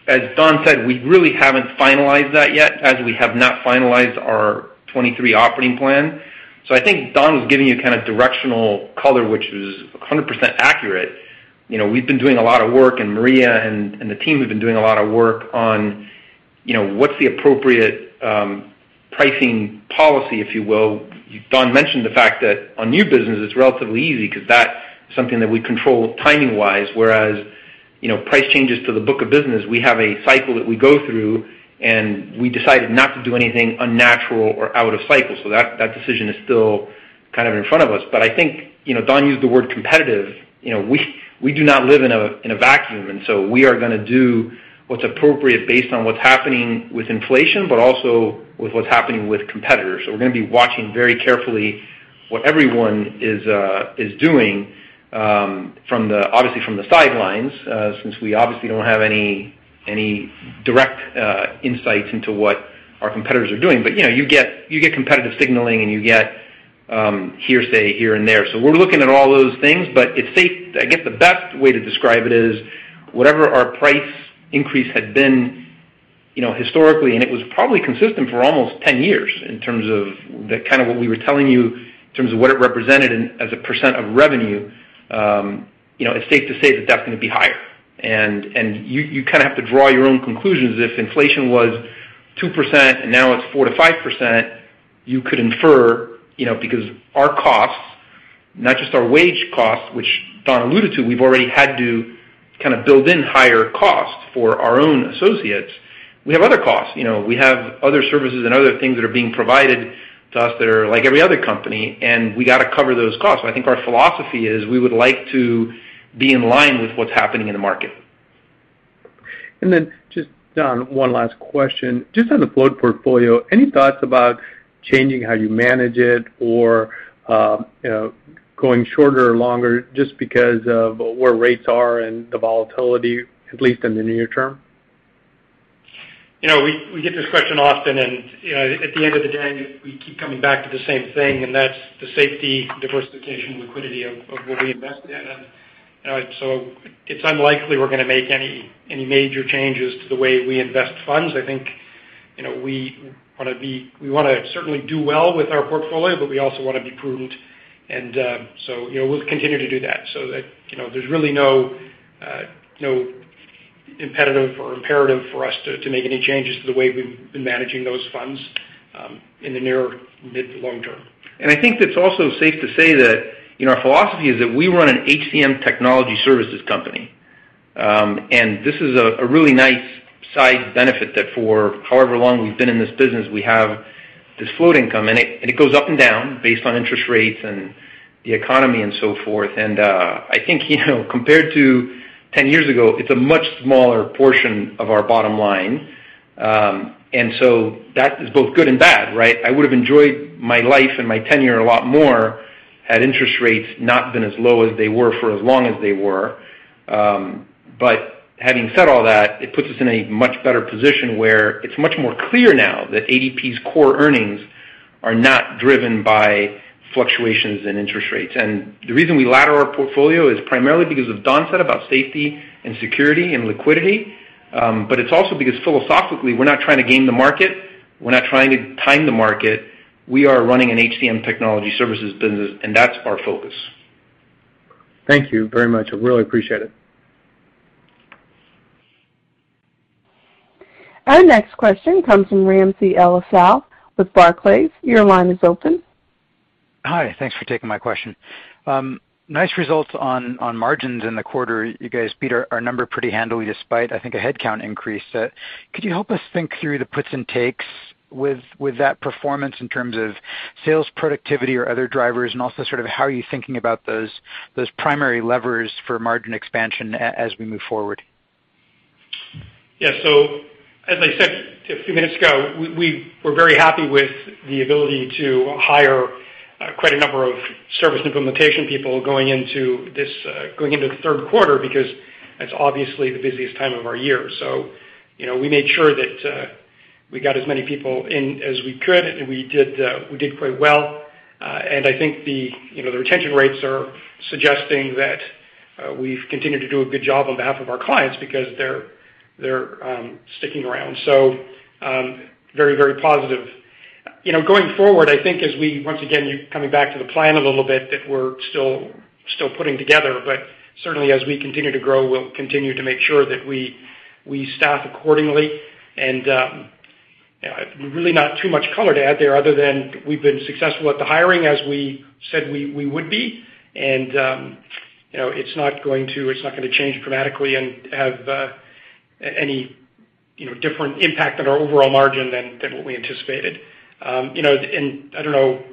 as Don said, we really haven't finalized that yet, as we have not finalized our 2023 operating plan. I think Don was giving you kinda directional color, which is 100% accurate. You know, we've been doing a lot of work, and Maria and the team have been doing a lot of work on, you know, what's the appropriate pricing policy, if you will. Don mentioned the fact that on new business it's relatively easy 'cause that's something that we control timing-wise, whereas, you know, price changes to the book of business, we have a cycle that we go through, and we decided not to do anything unnatural or out of cycle. That decision is still kind of in front of us. I think, you know, Don used the word competitive. You know, we do not live in a vacuum, and we are gonna do what's appropriate based on what's happening with inflation, but also with what's happening with competitors. We're gonna be watching very carefully what everyone is doing, obviously from the sidelines, since we obviously don't have any direct insights into what our competitors are doing. You know, you get competitive signaling and you get hearsay here and there. We're looking at all those things. It's safe. I guess the best way to describe it is whatever our price increase had been, you know, historically, and it was probably consistent for almost 10 years in terms of the kind of what we were telling you in terms of what it represented in, as a percent of revenue, you know, it's safe to say that that's gonna be higher. You kinda have to draw your own conclusions. If inflation was 2% and now it's 4%-5%, you could infer, you know, because our costs, not just our wage costs, which Don alluded to, we've already had to kind of build in higher costs for our own associates. We have other costs. You know, we have other services and other things that are being provided to us that are like every other company, and we gotta cover those costs. I think our philosophy is we would like to be in line with what's happening in the market. Just, Don, one last question. Just on the float portfolio, any thoughts about changing how you manage it or, you know, going shorter or longer just because of where rates are and the volatility, at least in the near term? You know, we get this question often and, you know, at the end of the day we keep coming back to the same thing, and that's the safety, diversification, liquidity of what we invest in. It's unlikely we're gonna make any major changes to the way we invest funds. I think, you know, we wanna certainly do well with our portfolio, but we also wanna be prudent and, so, you know, we'll continue to do that so that, you know, there's really no incentive or imperative for us to make any changes to the way we've been managing those funds in the near, mid, long term. I think it's also safe to say that, you know, our philosophy is that we run an HCM technology services company, and this is a really nice side benefit that for however long we've been in this business, we have this float income, and it goes up and down based on interest rates and the economy and so forth. I think, you know, compared to 10 years ago, it's a much smaller portion of our bottom line, and so that is both good and bad, right? I would have enjoyed my life and my tenure a lot more had interest rates not been as low as they were for as long as they were. Having said all that, it puts us in a much better position where it's much more clear now that ADP's core earnings are not driven by fluctuations in interest rates. The reason we ladder our portfolio is primarily because of what Don said about safety and security and liquidity, but it's also because philosophically, we're not trying to game the market. We're not trying to time the market. We are running an HCM technology services business, and that's our focus. Thank you very much. I really appreciate it. Our next question comes from Ramsey El-Assal with Barclays. Your line is open. Hi. Thanks for taking my question. Nice results on margins in the quarter. You guys beat our number pretty handily despite, I think, a headcount increase. Could you help us think through the puts and takes with that performance in terms of sales productivity or other drivers, and also sort of how are you thinking about those primary levers for margin expansion as we move forward? Yeah. As I said a few minutes ago, we were very happy with the ability to hire quite a number of service implementation people going into the third quarter because that's obviously the busiest time of our year. You know, we made sure that we got as many people in as we could, and we did quite well. I think the retention rates are suggesting that we've continued to do a good job on behalf of our clients because they're sticking around. Very, very positive. You know, going forward, I think as we once again, coming back to the plan a little bit that we're still putting together, but certainly as we continue to grow, we'll continue to make sure that we staff accordingly. Really not too much color to add there other than we've been successful at the hiring as we said we would be. You know, it's not gonna change dramatically and have any, you know, different impact on our overall margin than what we anticipated. You know, I don't know,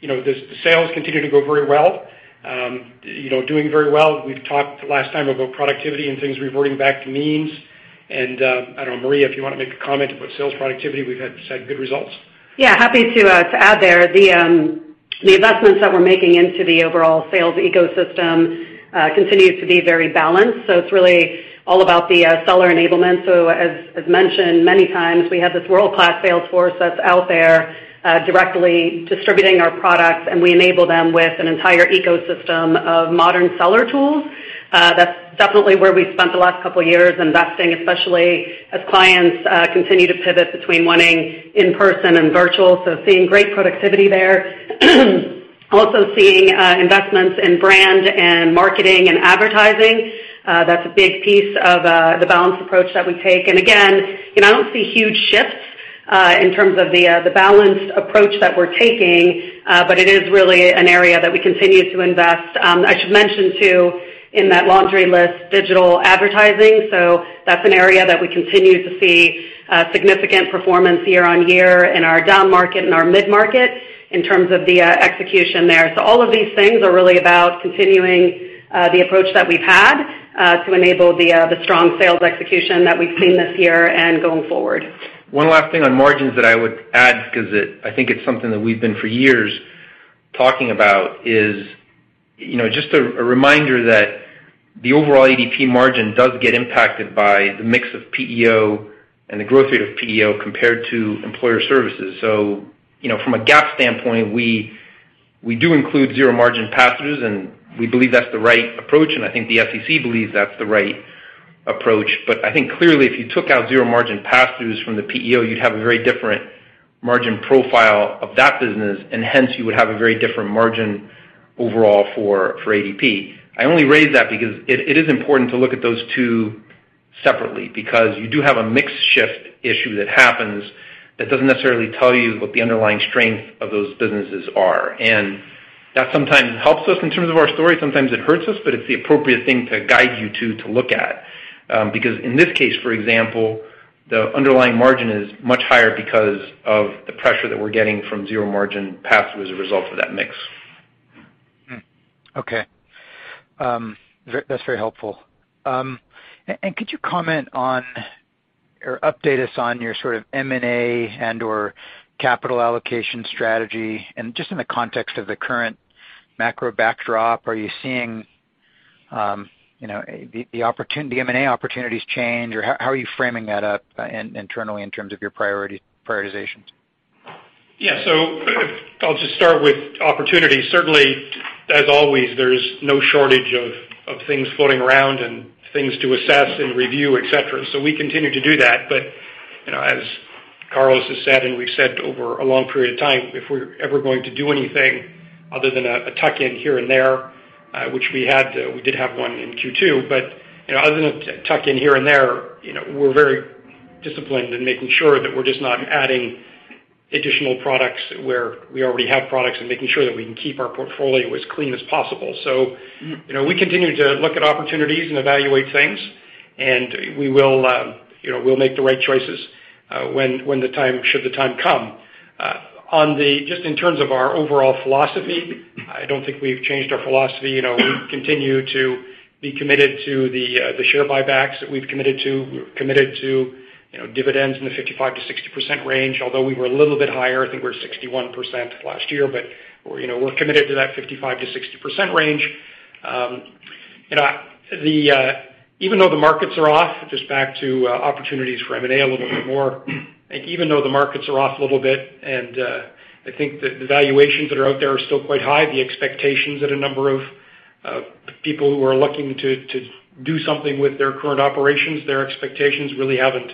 you know, the sales continue to go very well, you know, doing very well. We've talked last time about productivity and things reverting back to means. I don't know, Maria, if you want to make a comment about sales productivity. We've said good results. Yeah, happy to add there. The investments that we're making into the overall sales ecosystem continues to be very balanced. It's really all about the seller enablement. As mentioned many times, we have this world-class sales force that's out there directly distributing our products, and we enable them with an entire ecosystem of modern seller tools. That's definitely where we spent the last couple of years investing, especially as clients continue to pivot between wanting in-person and virtual. Seeing great productivity there. Also seeing investments in brand and marketing and advertising. That's a big piece of the balanced approach that we take. Again, you know, I don't see huge shifts in terms of the balanced approach that we're taking, but it is really an area that we continue to invest. I should mention, too, in that laundry list, digital advertising. That's an area that we continue to see significant performance year-on-year in our down market and our mid-market in terms of the execution there. All of these things are really about continuing the approach that we've had to enable the strong sales execution that we've seen this year and going forward. One last thing on margins that I would add because I think it's something that we've been for years talking about is, you know, just a reminder that the overall ADP margin does get impacted by the mix of PEO and the growth rate of PEO compared to Employer Services. You know, from a GAAP standpoint, we do include zero margin pass-throughs, and we believe that's the right approach, and I think the SEC believes that's the right approach. I think clearly, if you took out zero margin pass-throughs from the PEO, you'd have a very different margin profile of that business, and hence, you would have a very different margin overall for ADP. I only raise that because it is important to look at those two separately because you do have a mix shift issue that happens that doesn't necessarily tell you what the underlying strength of those businesses are. That sometimes helps us in terms of our story, sometimes it hurts us, but it's the appropriate thing to guide you to look at. Because in this case, for example, the underlying margin is much higher because of the pressure that we're getting from zero margin pass-through as a result of that mix. Okay. That's very helpful. Could you comment on or update us on your sort of M&A and/or capital allocation strategy? Just in the context of the current macro backdrop, are you seeing you know the opportunity M&A opportunities change, or how are you framing that up internally in terms of your prioritizations? Yeah. I'll just start with opportunities. Certainly, as always, there's no shortage of things floating around and things to assess and review, et cetera. We continue to do that. You know, as Carlos has said, and we've said over a long period of time, if we're ever going to do anything other than a tuck-in here and there, which we did have one in Q2. You know, other than a tuck-in here and there, you know, we're very disciplined in making sure that we're just not adding additional products where we already have products and making sure that we can keep our portfolio as clean as possible. You know, we continue to look at opportunities and evaluate things, and we will, you know, we'll make the right choices should the time come. Just in terms of our overall philosophy, I don't think we've changed our philosophy. You know, we continue to be committed to the share buybacks that we've committed to. We're committed to, you know, dividends in the 55%-60% range. Although we were a little bit higher, I think we're 61% last year. You know, we're committed to that 55%-60% range. You know, the even though the markets are off, just back to opportunities for M&A a little bit more, even though the markets are off a little bit, and I think that the valuations that are out there are still quite high. The expectations that a number of people who are looking to do something with their current operations, their expectations really haven't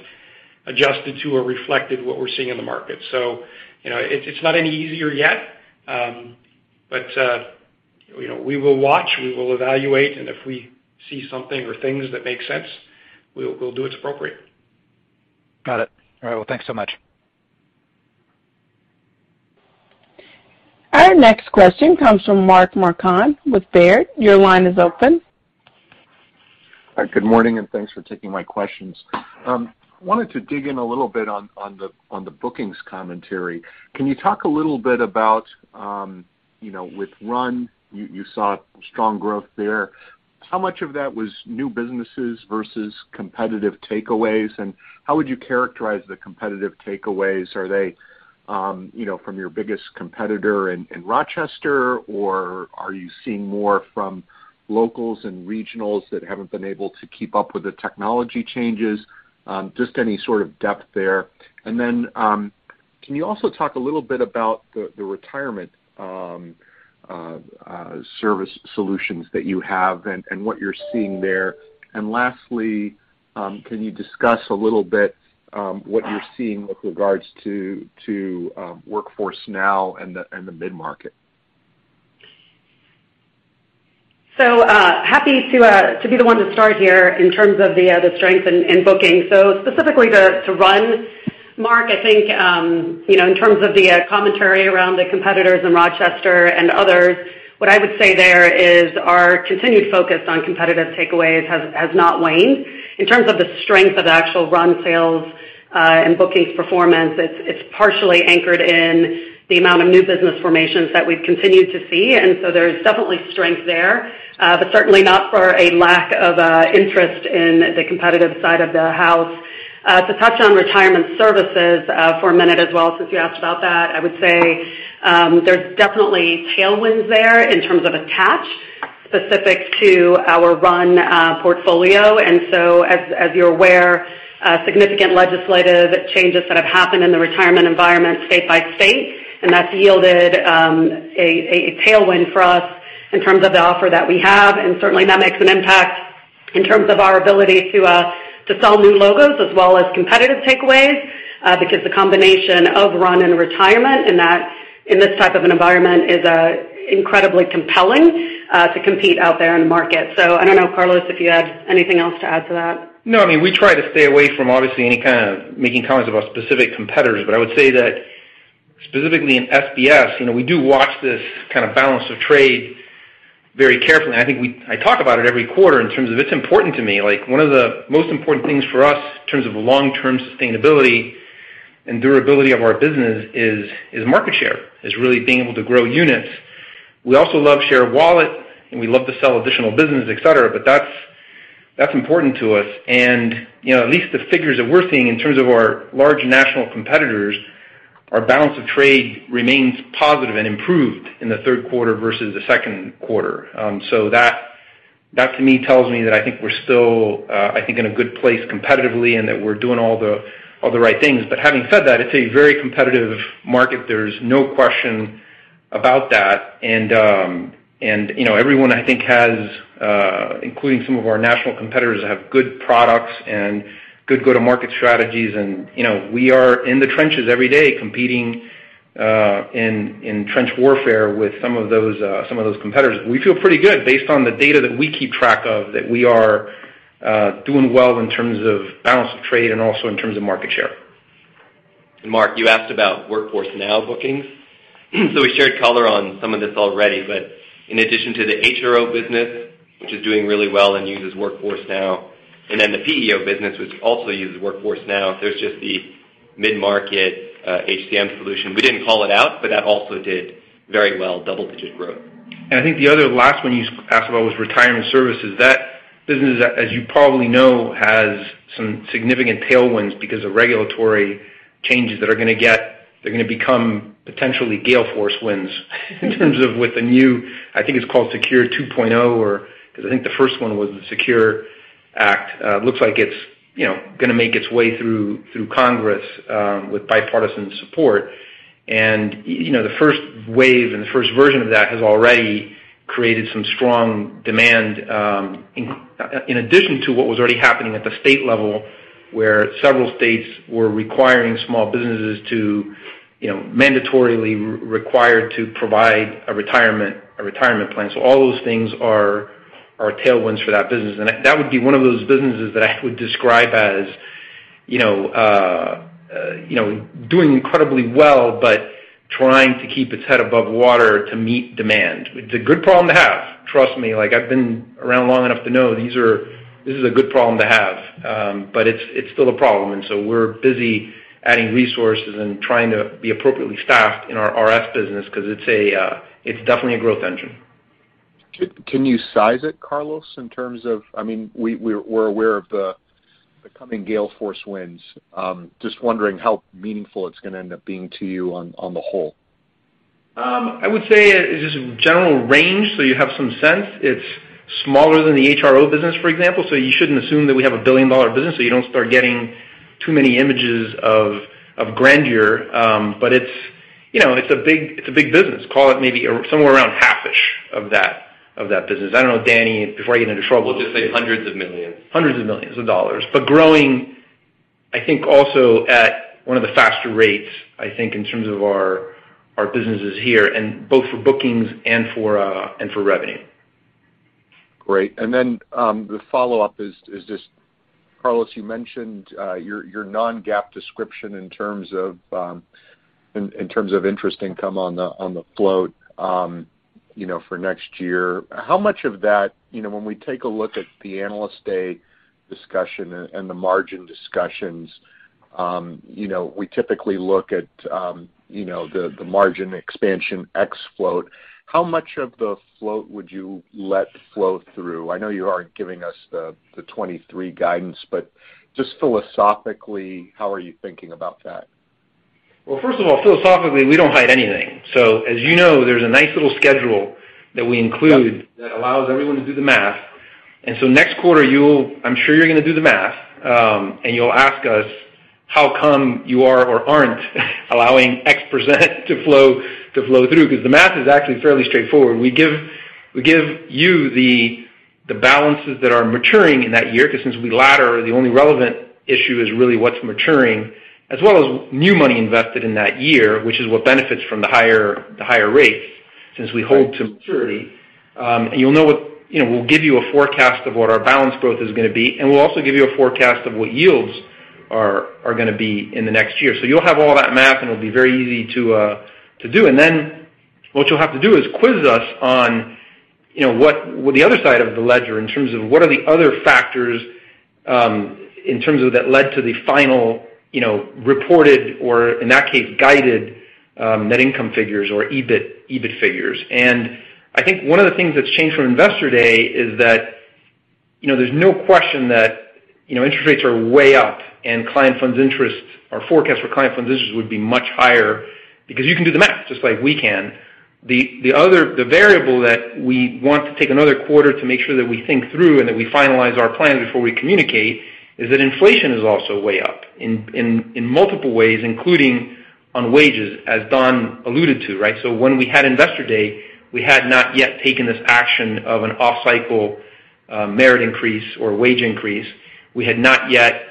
adjusted to or reflected what we're seeing in the market. You know, it's not any easier yet, but you know, we will watch, we will evaluate, and if we see something or things that make sense, we'll do what's appropriate. Got it. All right. Well, thanks so much. Our next question comes from Mark Marcon with Baird. Your line is open. Hi. Good morning, and thanks for taking my questions. Wanted to dig in a little bit on the bookings commentary. Can you talk a little bit about, you know, with RUN, you saw strong growth there. How much of that was new businesses versus competitive takeaways, and how would you characterize the competitive takeaways? Are they, you know, from your biggest competitor in Rochester, or are you seeing more from locals and regionals that haven't been able to keep up with the technology changes? Just any sort of depth there. Can you also talk a little bit about the retirement service solutions that you have and what you're seeing there? Lastly, can you discuss a little bit what you're seeing with regards to Workforce Now and the mid-market? Happy to be the one to start here in terms of the strength in bookings. Specifically, to RUN, Mark, I think you know in terms of the commentary around the competitors in Rochester and others, what I would say there is our continued focus on competitive takeaways has not waned. In terms of the strength of actual RUN sales and bookings performance, it's partially anchored in the amount of new business formations that we've continued to see. There's definitely strength there, but certainly not for a lack of interest in the competitive side of the house. To touch on retirement services for a minute as well, since you asked about that, I would say there's definitely tailwinds there in terms of attach specific to our RUN portfolio. As you're aware, significant legislative changes that have happened in the retirement environment state by state, and that's yielded a tailwind for us in terms of the offer that we have, and certainly that makes an impact in terms of our ability to sell new logos as well as competitive takeaways, because the combination of RUN and retirement in this type of an environment is incredibly compelling to compete out there in the market. I don't know, Carlos, if you have anything else to add to that. No. I mean, we try to stay away from obviously any kind of making comments about specific competitors. I would say that specifically in SBS, you know, we do watch this kind of balance of trade very carefully. I think I talk about it every quarter in terms of it's important to me. Like, one of the most important things for us in terms of long-term sustainability and durability of our business is market share, is really being able to grow units. We also love share wallet, and we love to sell additional business, et cetera, but that's important to us. You know, at least the figures that we're seeing in terms of our large national competitors, our balance of trade remains positive and improved in the third quarter versus the second quarter. That to me tells me that I think we're still I think in a good place competitively and that we're doing all the right things. Having said that, it's a very competitive market. There's no question about that. You know, everyone I think has including some of our national competitors have good products and good go-to-market strategies. You know, we are in the trenches every day competing in trench warfare with some of those competitors. We feel pretty good based on the data that we keep track of, that we are doing well in terms of balance of trade and also in terms of market share. Mark, you asked about Workforce Now bookings. We shared color on some of this already, but in addition to the HRO business, which is doing really well and uses Workforce Now, and then the PEO business, which also uses Workforce Now, there's just the mid-market HCM solution. We didn't call it out, but that also did very well, double-digit growth. I think the other last one you asked about was retirement services. That business, as you probably know, has some significant tailwinds because of regulatory changes that are gonna get—they're gonna become potentially gale force winds in terms of with the new, I think it's called SECURE 2.0 or—'cause I think the first one was the SECURE Act. It looks like it's, you know, gonna make its way through Congress with bipartisan support. You know, the first wave and the first version of that has already created some strong demand in addition to what was already happening at the state level, where several states were requiring small businesses to, you know, mandatorily required to provide a retirement plan. All those things are tailwinds for that business. That would be one of those businesses that I would describe as, you know, you know, doing incredibly well, but trying to keep its head above water to meet demand. It's a good problem to have. Trust me, like I've been around long enough to know this is a good problem to have. But it's still a problem. We're busy adding resources and trying to be appropriately staffed in our RS business because it's definitely a growth engine. Can you size it, Carlos, in terms of I mean, we're aware of the coming gale force winds. Just wondering how meaningful it's going to end up being to you on the whole. I would say just general range, so you have some sense. It's smaller than the HRO business, for example. You shouldn't assume that we have a billion-dollar business, so you don't start getting too many images of grandeur. It's, you know, it's a big business. Call it may be somewhere around half-ish of that business. I don't know, Danyal, before I get into trouble. We'll just say hundreds of millions. Hundreds of millions of dollars. Growing, I think, also at one of the faster rates, I think, in terms of our businesses here, and both for bookings and for revenue. Great. The follow-up is just, Carlos, you mentioned your non-GAAP description in terms of interest income on the float, you know, for next year. How much of that, you know, when we take a look at the Investor Day discussion and the margin discussions, you know, we typically look at, you know, the margin expansion ex float. How much of the float would you let flow through? I know you aren't giving us the 2023 guidance, but just philosophically, how are you thinking about that? Well, first of all, philosophically, we don't hide anything. So, as you know, there's a nice little schedule that we include that allows everyone to do the math. Next quarter, you'll I'm sure you're going to do the math, and you'll ask us how come you are or aren't allowing X% to flow through, because the math is actually fairly straightforward. We give you the balances that are maturing in that year because since we ladder, the only relevant issue is really what's maturing, as well as new money invested in that year, which is what benefits from the higher rates since we hold to maturity. And you'll know what. You know, we'll give you a forecast of what our balance growth is going to be, and we'll also give you a forecast of what yields are going to be in the next year. You'll have all that math, and it'll be very easy to do. Then what you'll have to do is quiz us on, you know, what the other side of the ledger in terms of what are the other factors in terms of that led to the final, you know, reported or in that case, guided net income figures or EBIT figures. I think one of the things that's changed from Investor Day is that, you know, there's no question that, you know, interest rates are way up and client funds interest or forecast for client funds interest would be much higher because you can do the math just like we can. The other variable that we want to take another quarter to make sure that we think through and that we finalize our plan before we communicate is that inflation is also way up in multiple ways, including on wages, as Don alluded to, right? When we had Investor Day, we had not yet taken this action of an off-cycle merit increase or wage increase. We had not yet,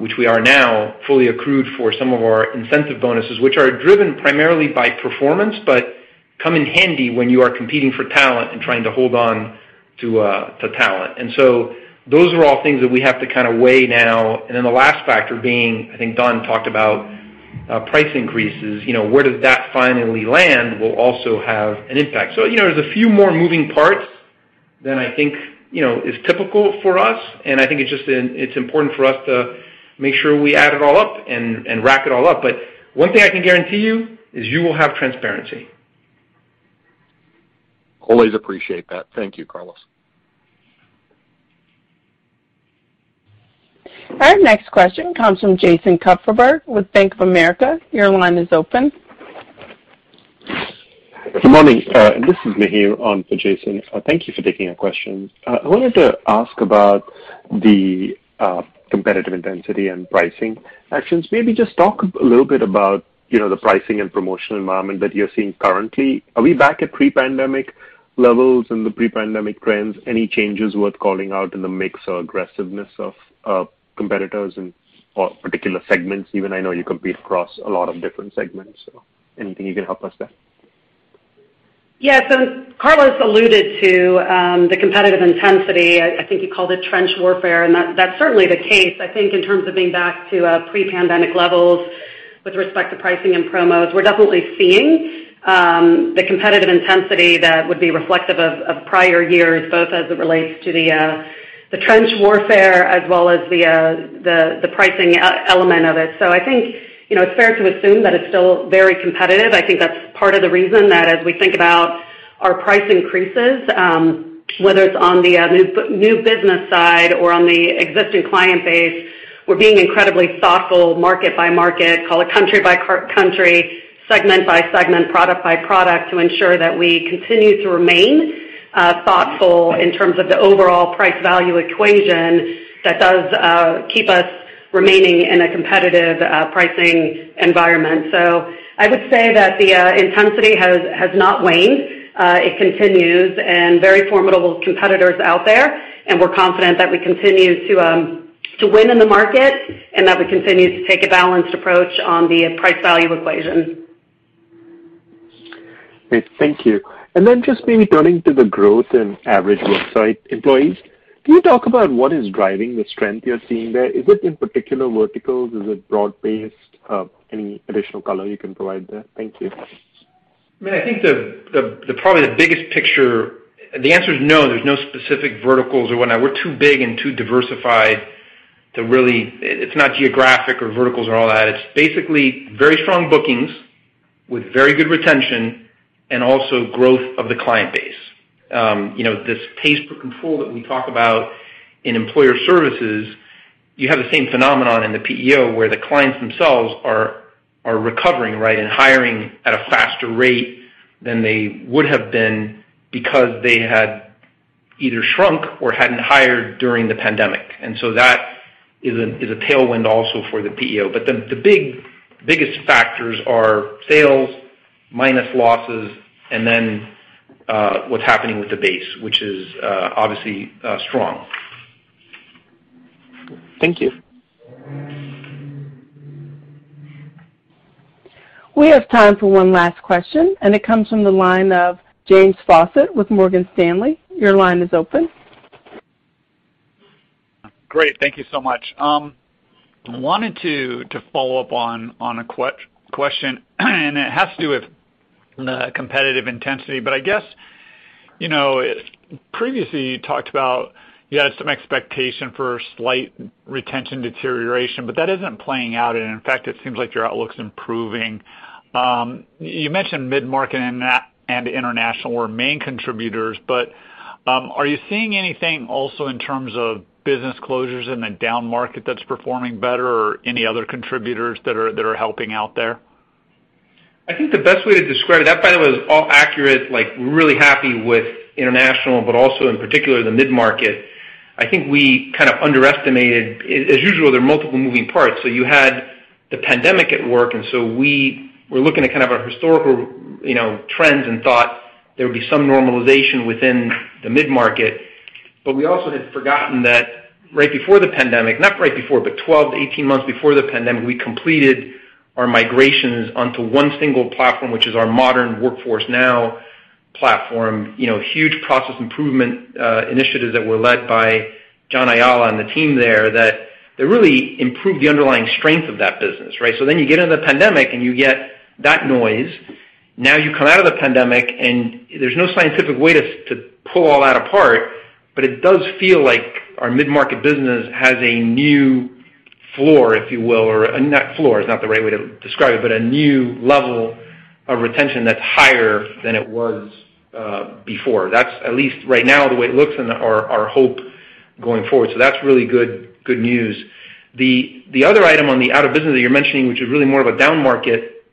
which we are now fully accrued for some of our incentive bonuses, which are driven primarily by performance, but come in handy when you are competing for talent and trying to hold on to talent. Those are all things that we have to kind of weigh now. The last factor being, I think Don talked about, price increases. You know, where does that finally land will also have an impact. You know, there's a few more moving parts than I think, you know, is typical for us. I think it's just, it's important for us to make sure we add it all up and wrap it all up. One thing I can guarantee you is you will have transparency. Always appreciate that. Thank you, Carlos. Our next question comes from Jason Kupferberg with Bank of America. Your line is open. Good morning. This is Mihir on for Jason. Thank you for taking our question. I wanted to ask about the competitive intensity and pricing actions. Maybe just talk a little bit about, you know, the pricing and promotional environment that you're seeing currently. Are we back at pre-pandemic levels and the pre-pandemic trends? Any changes worth calling out in the mix or aggressiveness of competitors or particular segments even? I know you compete across a lot of different segments. Anything you can help us there. Yeah. Carlos alluded to the competitive intensity. I think he called it trench warfare, and that's certainly the case. I think in terms of being back to pre-pandemic levels with respect to pricing and promos, we're definitely seeing the competitive intensity that would be reflective of prior years, both as it relates to the trench warfare as well as the pricing element of it. I think, you know, it's fair to assume that it's still very competitive. I think that's part of the reason that as we think about our price increases, whether it's on the new business side or on the existing client base, we're being incredibly thoughtful market by market, call it country by country, segment by segment, product by product, to ensure that we continue to remain thoughtful in terms of the overall price value equation that does keep us remaining in a competitive pricing environment. I would say that the intensity has not waned. It continues and very formidable competitors out there. We're confident that we continue to win in the market and that we continue to take a balanced approach on the price value equation. Great. Thank you. Just maybe turning to the growth in average worksite employees. Can you talk about what is driving the strength you're seeing there? Is it in particular verticals? Is it broad-based? Any additional color you can provide there? Thank you. I mean, I think probably the biggest picture. The answer is no, there's no specific verticals or whatnot. We're too big and too diversified to really. It's not geographic or verticals or all that. It's basically very strong bookings with very good retention and also growth of the client base. You know, this pays per control that we talk about in Employer Services, you have the same phenomenon in the PEO, where the clients themselves are recovering, right? And hiring at a faster rate than they would have been because they had either shrunk or hadn't hired during the pandemic. That is a tailwind also for the PEO. The biggest factors are sales minus losses, and then what's happening with the base, which is obviously strong. Thank you. We have time for one last question, and it comes from the line of James Faucette with Morgan Stanley. Your line is open. Great. Thank you so much. Wanted to follow up on a question, and it has to do with the competitive intensity. I guess, you know, previously, you talked about you had some expectation for slight retention deterioration, but that isn't playing out. In fact, it seems like your outlook's improving. You mentioned mid-market and national and international were main contributors, but are you seeing anything also in terms of business closures in the down market that's performing better or any other contributors that are helping out there? I think the best way to describe it, that probably was all accurate, like, we're really happy with international, but also in particular the mid-market. I think we kind of underestimated. As usual, there are multiple moving parts. You had the pandemic at work, and so we were looking at kind of our historical, you know, trends and thought there would be some normalization within the mid-market. We also had forgotten that right before the pandemic, not right before, but 12-18 months before the pandemic, we completed our migrations onto one single platform, which is our modern Workforce Now platform. You know, huge process improvement initiatives that were led by John Ayala and the team there that really improved the underlying strength of that business, right? You get into the pandemic, and you get that noise. Now you come out of the pandemic, and there's no scientific way to pull all that apart, but it does feel like our mid-market business has a new floor, if you will, or not floor, it's not the right way to describe it, but a new level of retention that's higher than it was, before. That's at least right now the way it looks and our hope going forward. That's really good news. The other item on the out of business that you're mentioning, which is really more of a down market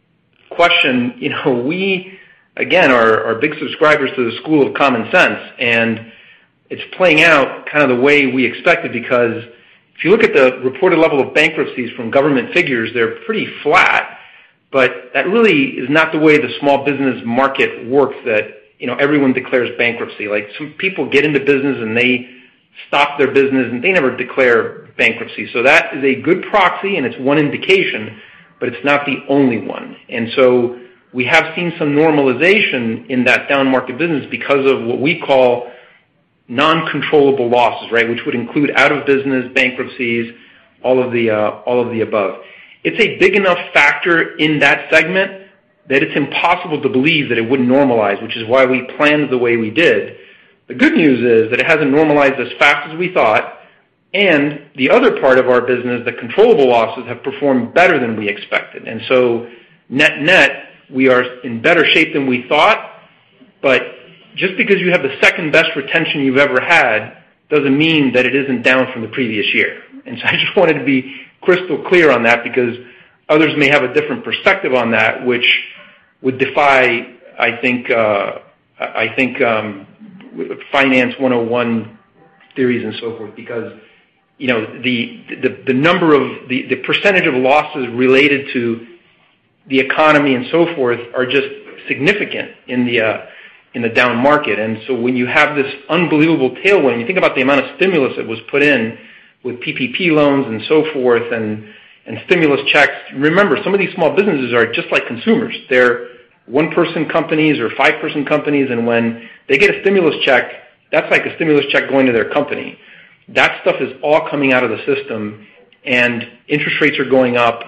question, you know, we again are big subscribers to the school of common sense, and it's playing out kind of the way we expected because if you look at the reported level of bankruptcies from government figures, they're pretty flat. That really is not the way the small business market works, that, you know, everyone declares bankruptcy. Like, some people get into business, and they stop their business, and they never declare bankruptcy. That is a good proxy, and it's one indication, but it's not the only one. We have seen some normalization in that down market business because of what we call non-controllable losses, right? Which would include out of business bankruptcies, all of the above. It's a big enough factor in that segment that it's impossible to believe that it wouldn't normalize, which is why we planned the way we did. The good news is that it hasn't normalized as fast as we thought, and the other part of our business, the controllable losses, have performed better than we expected. Net-net, we are in better shape than we thought. Just because you have the second-best retention you've ever had doesn't mean that it isn't down from the previous year. I just wanted to be crystal clear on that because others may have a different perspective on that, which would defy, I think, Finance 101 theories and so forth. You know, the percentage of losses related to the economy and so forth are just significant in the down market. When you have this unbelievable tailwind, you think about the amount of stimulus that was put in with PPP loans and so forth and stimulus checks. Remember, some of these small businesses are just like consumers. They're one-person companies or five-person companies, and when they get a stimulus check, that's like a stimulus check going to their company. That stuff is all coming out of the system, and interest rates are going up.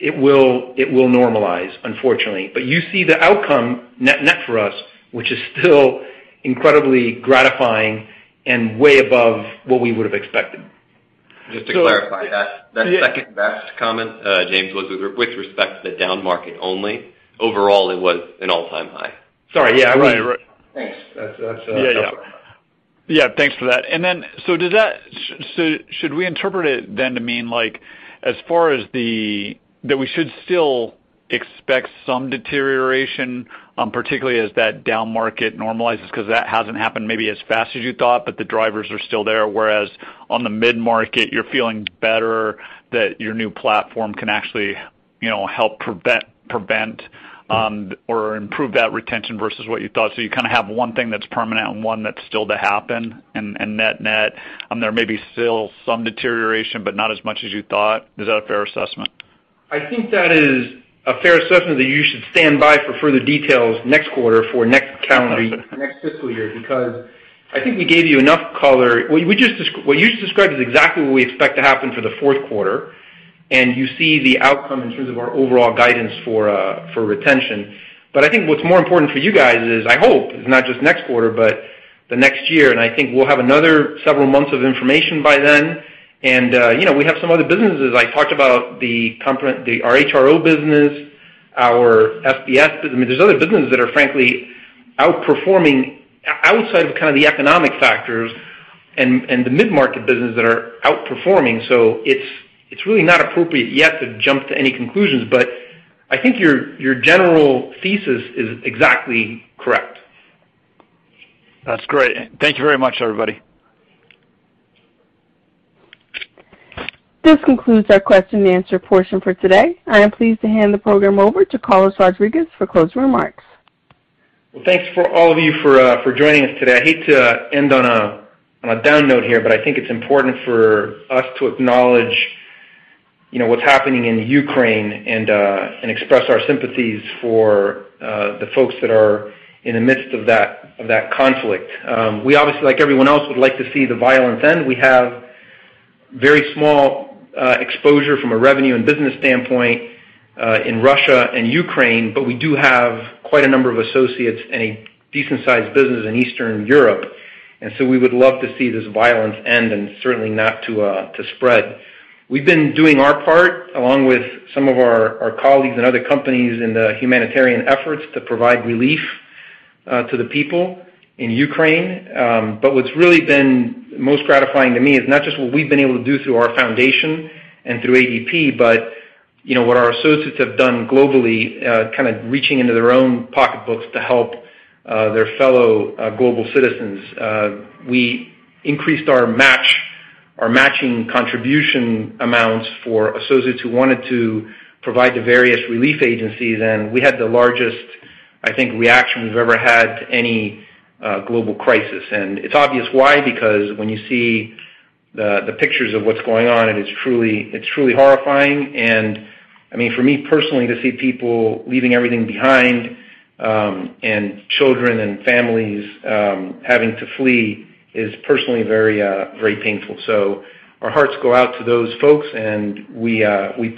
It will normalize, unfortunately. You see the outcome net-net for us, which is still incredibly gratifying and way above what we would have expected. So- Just to clarify that. Yeah. That second-best comment, James, was with respect to the down market only. Overall, it was an all-time high. Sorry. Yeah. Right. Right. Thanks. That's helpful. Yeah, yeah. Yeah, thanks for that. Then, does that—should we interpret it then to mean, like, as far as the—that we should still expect some deterioration, particularly as that down market normalizes because that hasn't happened maybe as fast as you thought, but the drivers are still there, whereas on the mid-market you're feeling better that your new platform can actually, you know, help prevent or improve that retention versus what you thought. You kinda have one thing that's permanent and one that's still to happen and net-net, there may be still some deterioration, but not as much as you thought. Is that a fair assessment? I think that is a fair assessment that you should stand by for further details next quarter for next calendar, next fiscal year, because I think we gave you enough color. What you just described is exactly what we expect to happen for the fourth quarter, and you see the outcome in terms of our overall guidance for retention. I think what's more important for you guys is, I hope, it's not just next quarter, but the next year. I think we'll have another several months of information by then. You know, we have some other businesses. I talked about the HRO business, our SBS business. I mean, there's other businesses that are, frankly, outperforming outside of kind of the economic factors and the mid-market businesses that are outperforming. It's really not appropriate yet to jump to any conclusions, but I think your general thesis is exactly correct. That's great. Thank you very much, everybody. This concludes our question and answer portion for today. I am pleased to hand the program over to Carlos Rodriguez for closing remarks. Well, thanks for all of you for joining us today. I hate to end on a down note here, but I think it's important for us to acknowledge, you know, what's happening in Ukraine and express our sympathies for the folks that are in the midst of that conflict. We obviously, like everyone else, would like to see the violence end. We have very small exposure from a revenue and business standpoint in Russia and Ukraine, but we do have quite a number of associates and a decent-sized business in Eastern Europe, and so we would love to see this violence end and certainly not to spread. We've been doing our part, along with some of our colleagues and other companies in the humanitarian efforts to provide relief to the people in Ukraine. What's really been most gratifying to me is not just what we've been able to do through our foundation and through ADP, but, you know, what our associates have done globally, kinda reaching into their own pocketbooks to help, their fellow global citizens. We increased our match, our matching contribution amounts for associates who wanted to provide the various relief agencies, and we had the largest, I think, reaction we've ever had to any, global crisis. It's obvious why, because when you see the pictures of what's going on, it is truly horrifying. I mean, for me personally, to see people leaving everything behind, and children and families, having to flee is personally very painful. Our hearts go out to those folks, and we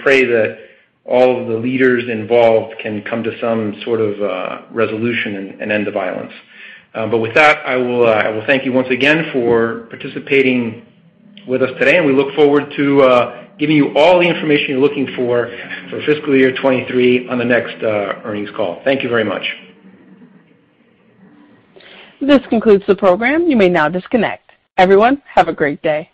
pray that all of the leaders involved can come to some sort of resolution and end the violence. With that, I will thank you once again for participating with us today, and we look forward to giving you all the information you're looking for for fiscal year 2023 on the next earnings call. Thank you very much. This concludes the program. You may now disconnect. Everyone, have a great day.